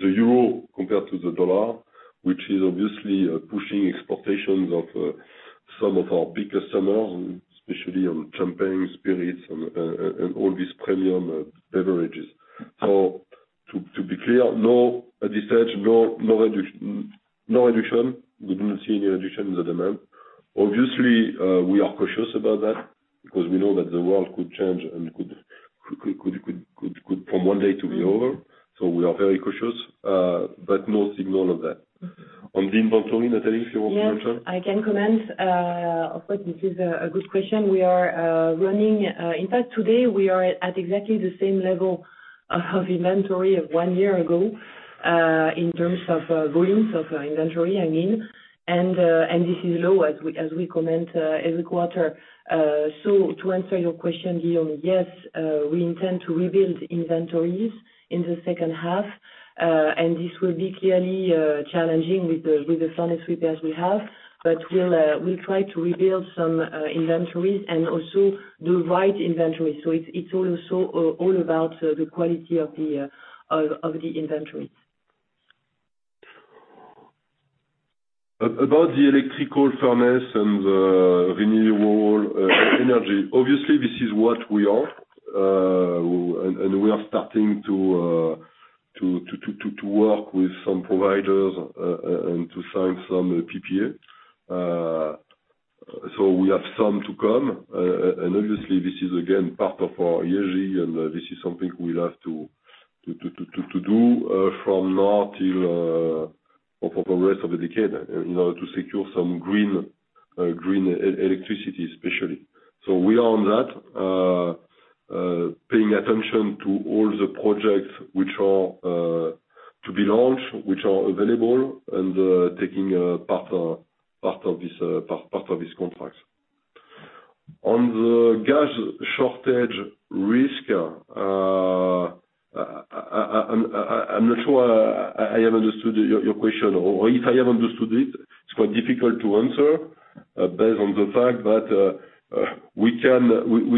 the euro compared to the dollar, which is obviously pushing exports of some of our big customers, especially on champagne, spirits and all these premium beverages. To be clear, no reduction at this stage. We do not see any reduction in the demand. Obviously, we are cautious about that because we know that the world could change and could from one day to the next. We are very cautious, but no signal of that. On the inventory, Nathalie, if you want to mention. Yes, I can comment. Of course, this is a good question. In fact, today, we are at exactly the same level of inventory of one year ago, in terms of volumes of inventory, I mean, and this is low as we comment every quarter. To answer your question, Philippe, yes, we intend to rebuild inventories in the second half, and this will be clearly challenging with the furnace repairs as we have. We'll try to rebuild some inventories and also the right inventories. It's also all about the quality of the inventories. About the electrical furnace and the renewable energy. Obviously, this is what we are, and we are starting to work with some providers and to sign some PPA. We have some to come. Obviously this is again part of our ESG, and this is something we'll have to do from now till for the rest of the decade, in order to secure some green electricity especially. We are on that, paying attention to all the projects which are to be launched, which are available and taking part of this contract. On the gas shortage risk, I'm not sure I have understood your question, or if I have understood it's quite difficult to answer based on the fact that we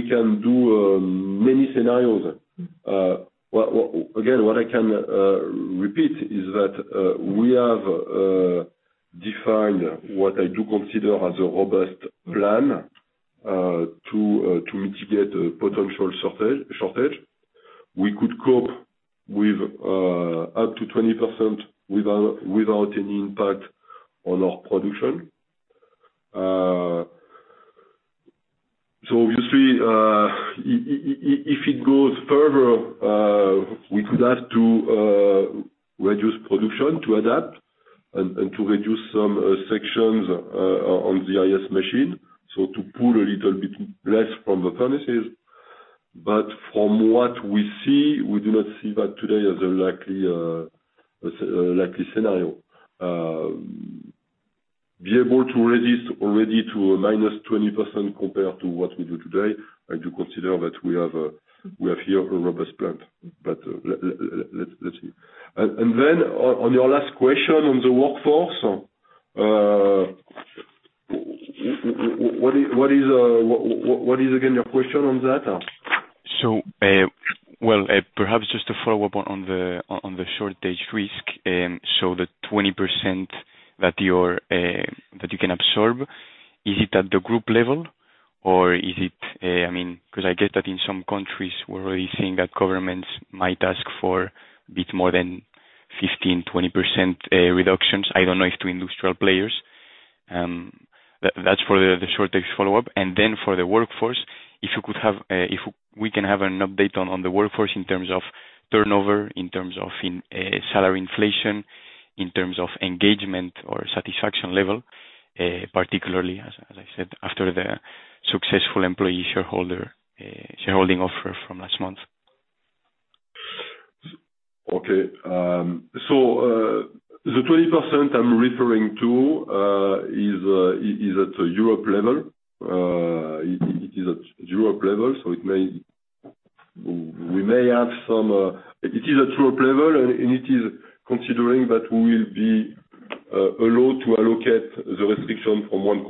can do many scenarios. Well, again, what I can repeat is that we have defined what I do consider as a robust plan to mitigate a potential shortage. We could cope with up to 20% without any impact on our production. Obviously, if it goes further, we could have to reduce production to adapt and to reduce some sections on the IS machine, so to pull a little bit less from the furnaces. From what we see, we do not see that today as a likely scenario. Be able to resist already to a -20% compared to what we do today. I do consider that we have here a robust plant. Let's see. Then on your last question on the workforce, what is again your question on that? Perhaps just to follow up on the shortage risk. So the 20% that you can absorb, is it at the group level or is it, I mean, 'cause I get that in some countries we're already seeing that governments might ask for a bit more than 15%-20% reductions. I don't know if to industrial players. That's for the shortage follow-up. Then for the workforce, if we can have an update on the workforce in terms of turnover, in terms of salary inflation, in terms of engagement or satisfaction level, particularly as I said, after the successful employee shareholder shareholding offer from last month. The 20% I'm referring to is at Europe level. It is at Europe level, so we may have some. It is at Europe level and it is considering that we will be allowed to allocate the restriction from one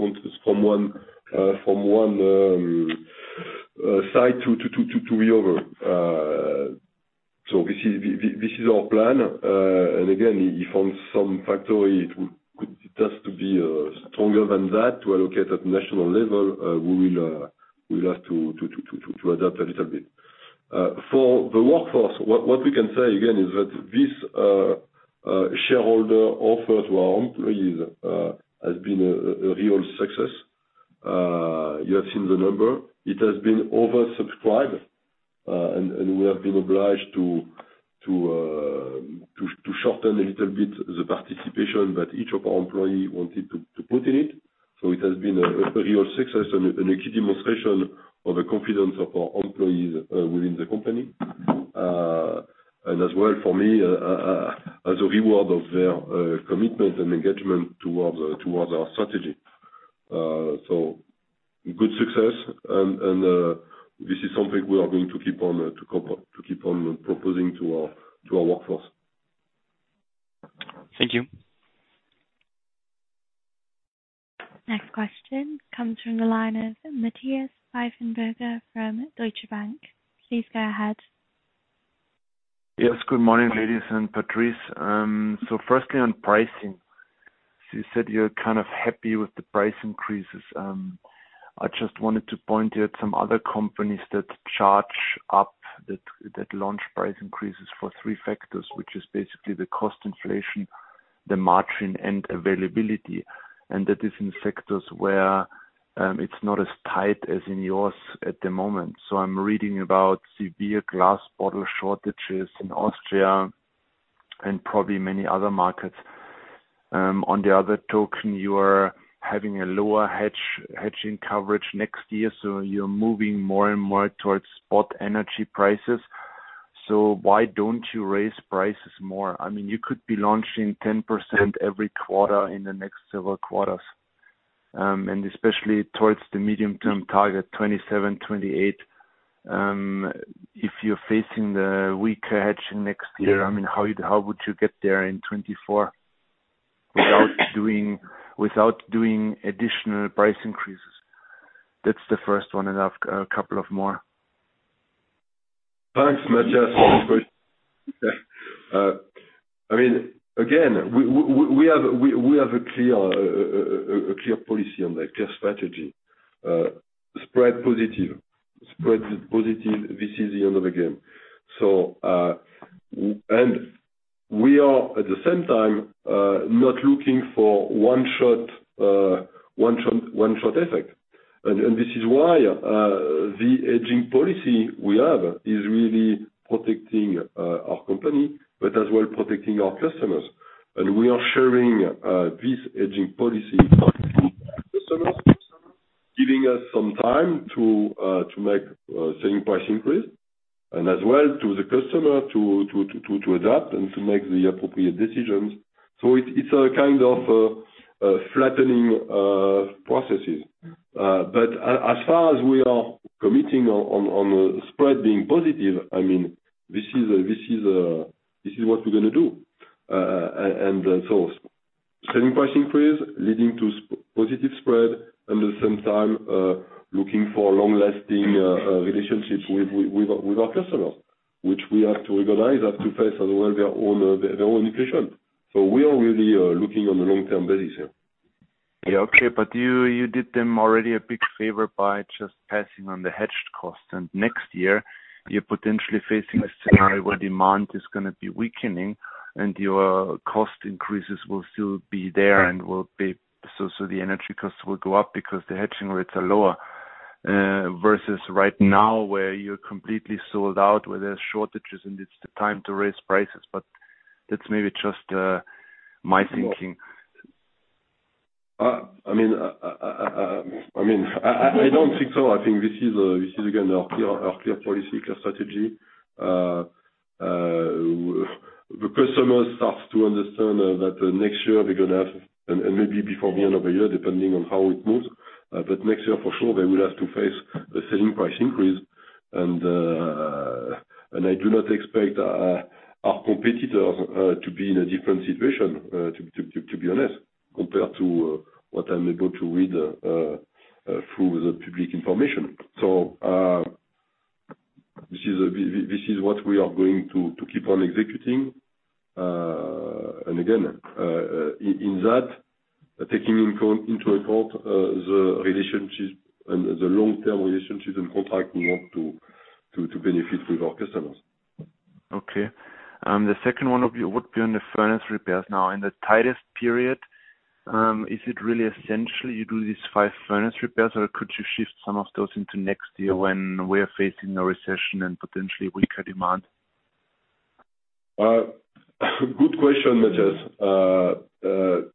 site to the other. This is our plan. If on some factory it could be stronger than that to allocate at national level, we will have to adapt a little bit. For the workforce, what we can say again is that this shareholder offer to our employees has been a real success. You have seen the number. It has been oversubscribed, and we have been obliged to shorten a little bit the participation that each of our employee wanted to put in it. It has been a real success and a key demonstration of the confidence of our employees within the company. As well for me, as a reward of their commitment and engagement towards our strategy. Good success and this is something we are going to keep on to keep on proposing to our workforce. Thank you. Next question comes from the line of Mengxian Sun from Deutsche Bank. Please go ahead. Yes. Good morning, ladies and Patrice. Firstly, on pricing, you said you're kind of happy with the price increases. I just wanted to point out some other companies that launch price increases for three factors, which is basically the cost inflation, the margin and availability. That is in sectors where it's not as tight as in yours at the moment. I'm reading about severe glass bottle shortages in Austria and probably many other markets. On the other hand, you are having a lower hedging coverage next year, so you're moving more and more towards spot energy prices. Why don't you raise prices more? I mean, you could be launching 10% every quarter in the next several quarters, and especially towards the medium-term target, 2027, 2028. If you're facing the weaker hedging next year, I mean, how would you get there in 2024 without doing additional price increases? That's the first one. I have a couple of more. Thanks, Mengxian. I mean, again, we have a clear policy on that, clear strategy. Spread positive. This is the end of the game. We are at the same time not looking for one shot effect. This is why the hedging policy we have is really protecting our company, but as well protecting our customers. We are sharing this hedging policy with our customers, giving us some time to make selling price increase, and as well to the customer to adapt and to make the appropriate decisions. It's a kind of flattening processes. As far as we are committing on spread being positive, I mean, this is what we're gonna do. Selling price increase leading to positive spread, and at the same time, looking for long-lasting relationships with our customers, which we have to recognize, have to face as well their own inflation. We are really looking on a long-term basis here. Yeah. Okay. You did them already a big favor by just passing on the hedged cost. Next year you're potentially facing a scenario where demand is gonna be weakening and your cost increases will still be there, so the energy costs will go up because the hedging rates are lower versus right now where you're completely sold out, where there's shortages and it's the time to raise prices. That's maybe just my thinking. I mean, I don't think so. I think this is again our clear policy, clear strategy. The customer starts to understand that next year we're gonna have, and maybe before the end of the year, depending on how it moves, but next year for sure they will have to face the selling price increase. I do not expect our competitors to be in a different situation, to be honest, compared to what I'm able to read through the public information. This is what we are going to keep on executing. Again, in that, taking into account the relationships and the long-term relationships and contract we want to benefit with our customers. Okay. The second one of you would be on the furnace repairs now. In the tightest period, is it really essential you do these five furnace repairs, or could you shift some of those into next year when we're facing a recession and potentially weaker demand? Good question, Mengxian.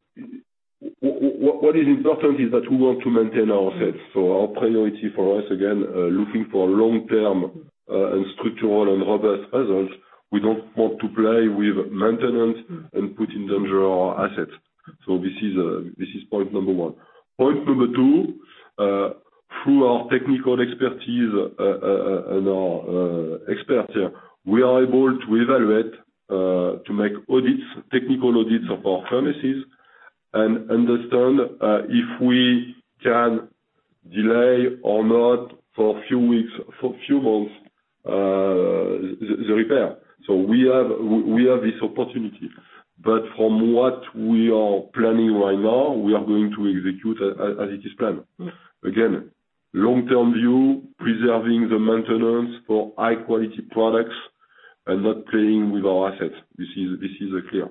What is important is that we want to maintain our assets. Our priority for us, again, looking for long-term, and structural and robust results, we don't want to play with maintenance and put in danger our assets. This is point number one. Point number two, through our technical expertise, and our expertise, we are able to evaluate, to make audits, technical audits of our furnaces and understand if we can delay or not for a few weeks, for few months, the repair. We have this opportunity. From what we are planning right now, we are going to execute as it is planned. Again, long-term view, preserving the maintenance for high quality products and not playing with our assets. This is clear.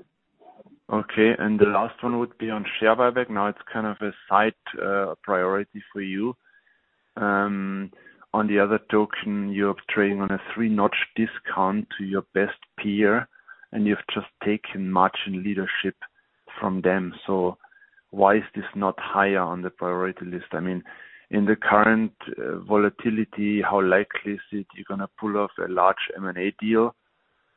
Okay. The last one would be on share buyback. Now, it's kind of a side priority for you. On the other hand, you're trading on a three-notch discount to your best peer, and you've just taken margin leadership from them. Why is this not higher on the priority list? I mean, in the current volatility, how likely is it you're gonna pull off a large M&A deal,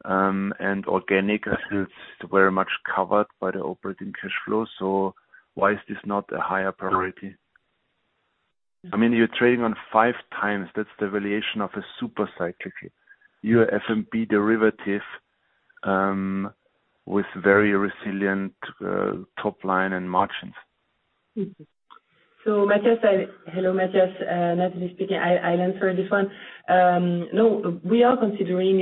and organic is very much covered by the operating cash flow. Why is this not a higher priority? I mean, you're trading on five times. That's the valuation of a super cycle. You're FMCG derivative with very resilient top line and margins. Hello, Mengxian, Nathalie speaking. I'll answer this one. No, we are considering,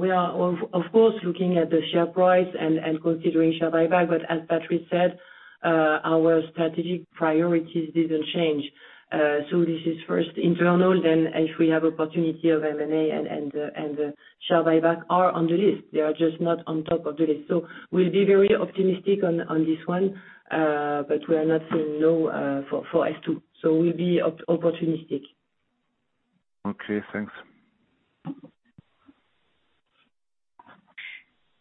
we are of course looking at the share price and considering share buyback. As Patrice said, our strategic priorities didn't change. This is first internal, then if we have opportunity of M&A and the share buyback are on the list. They are just not on top of the list. We'll be very optimistic on this one, but we are not saying no for S2. We'll be opportunistic. Okay, thanks.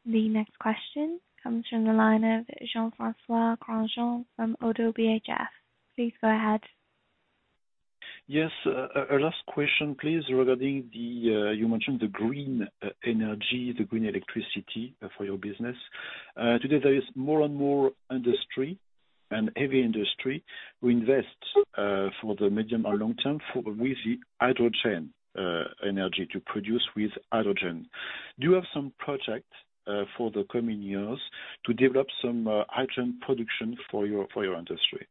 The next question comes from the line of Jean-François Granjon from Oddo BHF. Please go ahead. Yes. Our last question, please, regarding the green energy you mentioned, the green electricity for your business. Today there is more and more industry and heavy industry who invest for the medium or long term with the hydrogen energy to produce with hydrogen. Do you have some project for the coming years to develop some hydrogen production for your industry?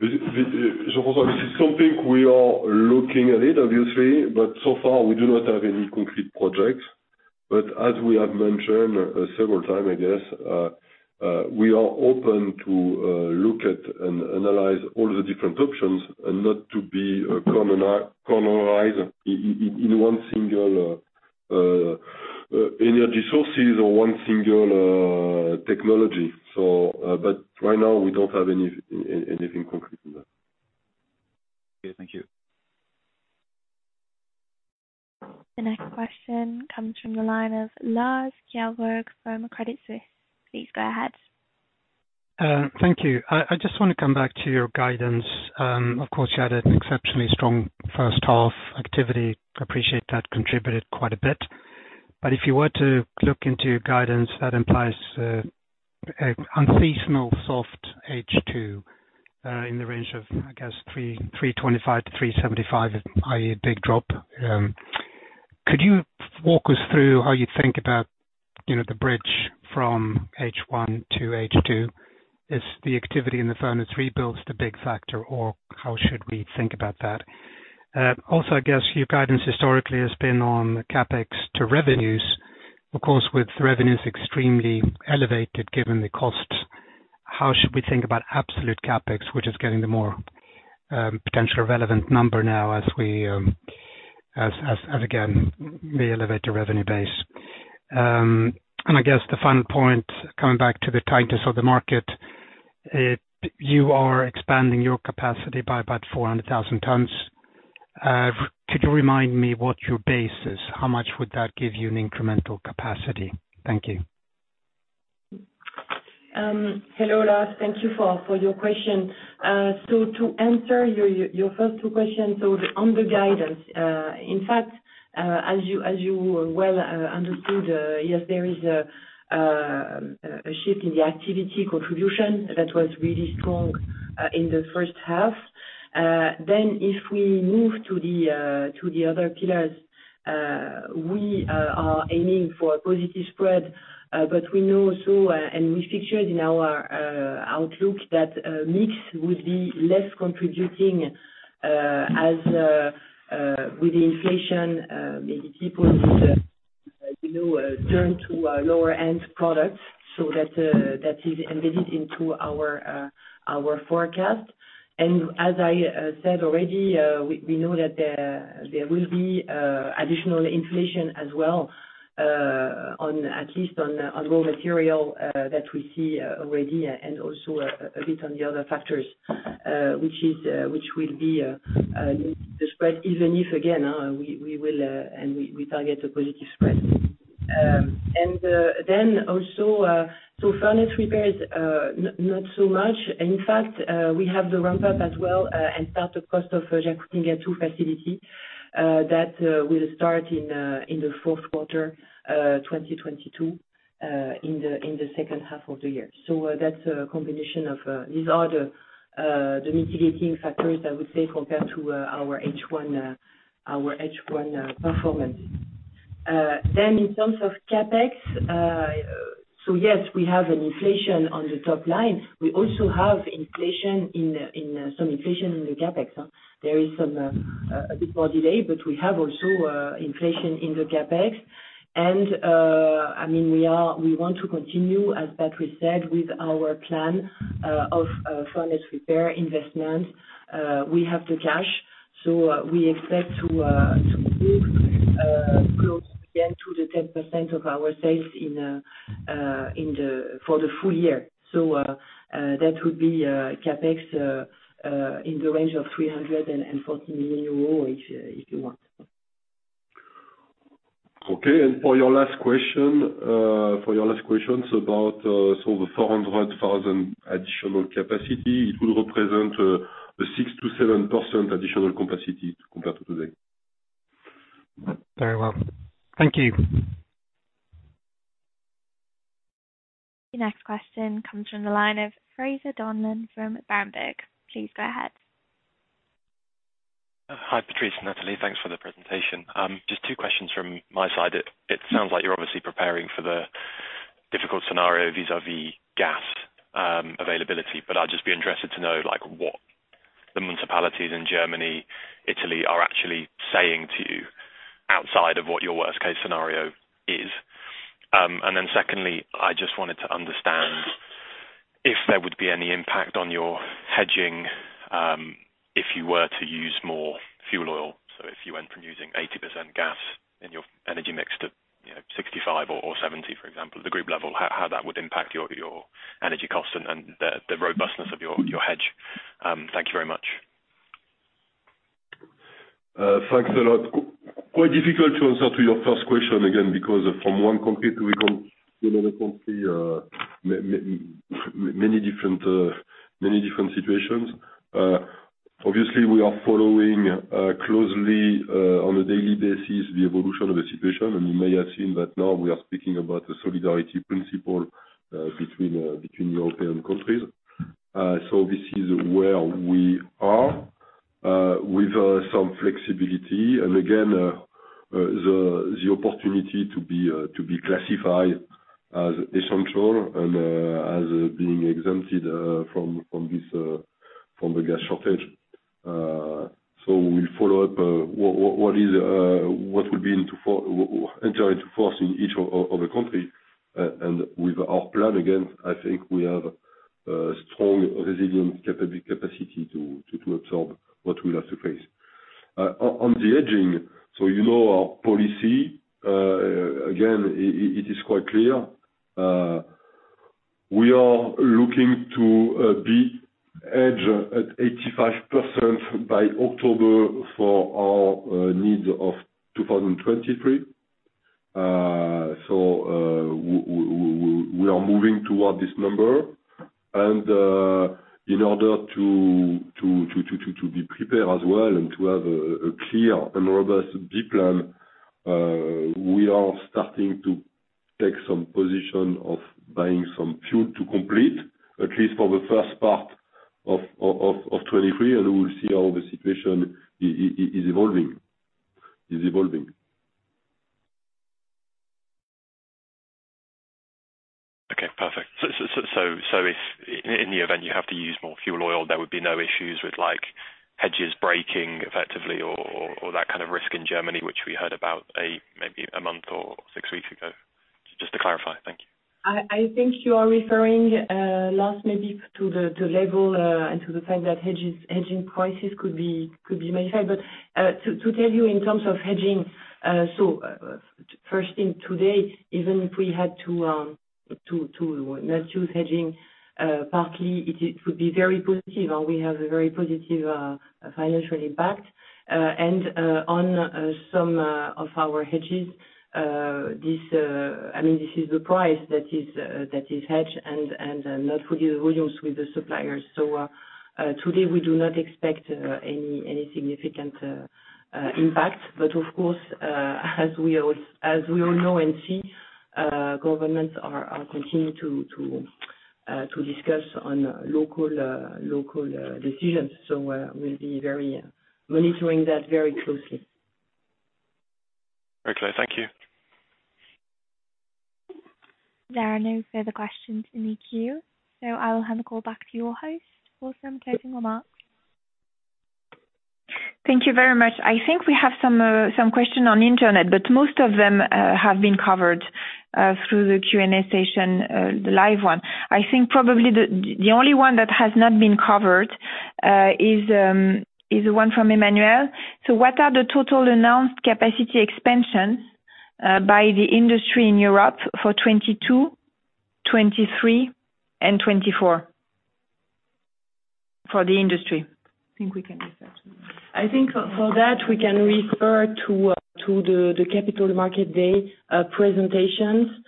This is something we are looking at obviously, but so far we do not have any concrete projects. As we have mentioned several times, I guess, we are open to look at and analyze all the different options and not to be cornered in one single energy source or one single technology. Right now we don't have anything concrete in that. Okay, thank you. The next question comes from the line of Lars Kjellberg from Credit Suisse. Please go ahead. Thank you. I just wanna come back to your guidance. Of course, you had an exceptionally strong first half activity. Appreciate that contributed quite a bit. If you were to look into your guidance, that implies a unseasonal soft H2 in the range of, I guess, 325-375, i.e. big drop. Could you walk us through how you think about, you know, the bridge from H1 to H2? Is the activity in the furnace rebuilds the big factor, or how should we think about that? Also I guess your guidance historically has been on CapEx to revenues. Of course, with revenues extremely elevated given the costs, how should we think about absolute CapEx, which is getting the more potentially relevant number now as we again elevate the revenue base. I guess the final point, coming back to the tightness of the market, you are expanding your capacity by about 400,000 tons. Could you remind me what your base is? How much would that give you in incremental capacity? Thank you. Hello, Lars. Thank you for your question. To answer your first two questions. On the guidance, in fact, as you well understood, yes, there is a shift in the activity contribution that was really strong in the first half. If we move to the other pillars, we are aiming for a positive spread. But we know. So we factored in our outlook that mix would be less contributing, as with inflation, maybe people need to turn to lower end products. That is embedded into our forecast. As I said already, we know that there will be additional inflation as well on at least on raw material that we see already, and also a bit on the other factors, which will be the spread, even if again we will and we target a positive spread. In fact, we have the ramp up as well, and start-up costs of Jacutinga 2 facility that will start in the fourth quarter 2022 in the second half of the year. That's a combination of these mitigating factors I would say, compared to our H1 performance. In terms of CapEx, yes, we have inflation on the top line. We also have some inflation in the CapEx. There is a bit more delay, but we also have inflation in the CapEx. I mean, we want to continue, as Patrice said, with our plan of furnace repair investment. We have the cash, so we expect to move close again to the 10% of our sales for the full year. That would be CapEx in the range of 340 million euros, if you want. Okay. For your last question, so about the 400,000 additional capacity, it will represent the 6%-7% additional capacity compared to today. Very well. Thank you. Your next question comes from the line of Fraser Donlon from Berenberg. Please go ahead. Hi, Patrice and Nathalie. Thanks for the presentation. Just two questions from my side. It sounds like you're obviously preparing for the difficult scenario vis-à-vis gas availability, but I'd just be interested to know like what the municipalities in Germany, Italy are actually saying to you outside of what your worst case scenario is. And then secondly, I just wanted to understand if there would be any impact on your hedging if you were to use more fuel oil. So if you went from using 80% gas in your energy mix to, you know, 65 or 70, for example, at the group level, how that would impact your energy costs and the robustness of your hedge. Thank you very much. Thanks a lot. Quite difficult to answer to your first question, again, because from one country to another country, many different situations. Obviously, we are following closely, on a daily basis, the evolution of the situation. You may have seen that now we are speaking about the solidarity principle between European countries. This is where we are, with some flexibility. Again, the opportunity to be classified as essential and as being exempted from the gas shortage. We follow up what will enter into force in each of the countries. With our plan, again, I think we have a strong resilient capacity to absorb what we'll have to face. On the hedging, so you know our policy. Again, it is quite clear. We are looking to be hedged at 85% by October for our need of 2023. We are moving toward this number. In order to be prepared as well and to have a clear and robust plan B, we are starting to take some position of buying some fuel to complete, at least for the first part of 2023, and we will see how the situation is evolving. Okay, perfect. If in the event you have to use more fuel oil, there would be no issues with like hedges breaking effectively or that kind of risk in Germany, which we heard about, maybe a month or six weeks ago. Just to clarify. Thank you. I think you are referring last maybe to the level and to the fact that hedging prices could be modified. To tell you in terms of hedging, first thing today, even if we had to not choose hedging, partly it is could be very positive and we have a very positive financial impact. On some of our hedges, this I mean this is the price that is hedged and not fully volumes with the suppliers. Today we do not expect any significant impact. Of course, as we all know and see, governments are continuing to discuss on local decisions. We'll be very monitoring that very closely. Okay. Thank you. There are no further questions in the queue, so I will hand the call back to your host for some closing remarks. Thank you very much. I think we have some questions on the Internet, but most of them have been covered through the Q&A session, the live one. I think probably the only one that has not been covered is one from Emmanuel. What are the total announced capacity expansions by the industry in Europe for 2022, 2023 and 2024? For the industry. I think we can do that. I think for that, we can refer to the capital market day presentation,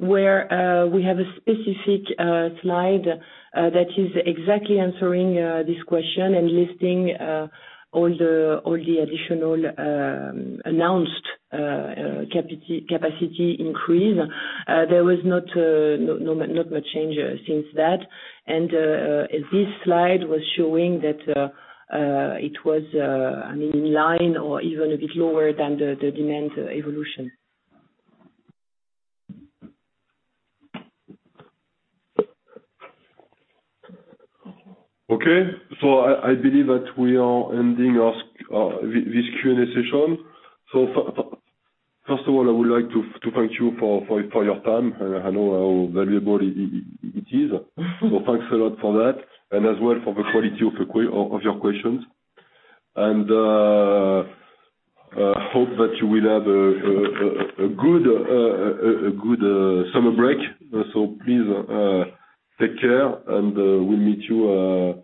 where we have a specific slide that is exactly answering this question and listing all the additional announced capacity increase. There was not much change since that. This slide was showing that it was, I mean, in line or even a bit lower than the demand evolution. Okay. I believe that we are ending this Q&A session. First of all, I would like to thank you for your time. I know how valuable it is. Thanks a lot for that, and as well for the quality of your questions. I hope that you will have a good summer break. Please take care and we'll meet you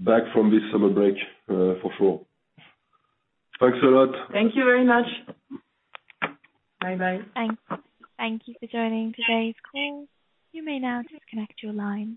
back from this summer break for sure. Thanks a lot. Thank you very much. Bye-bye. Thanks. Thank you for joining today's call. You may now disconnect your line.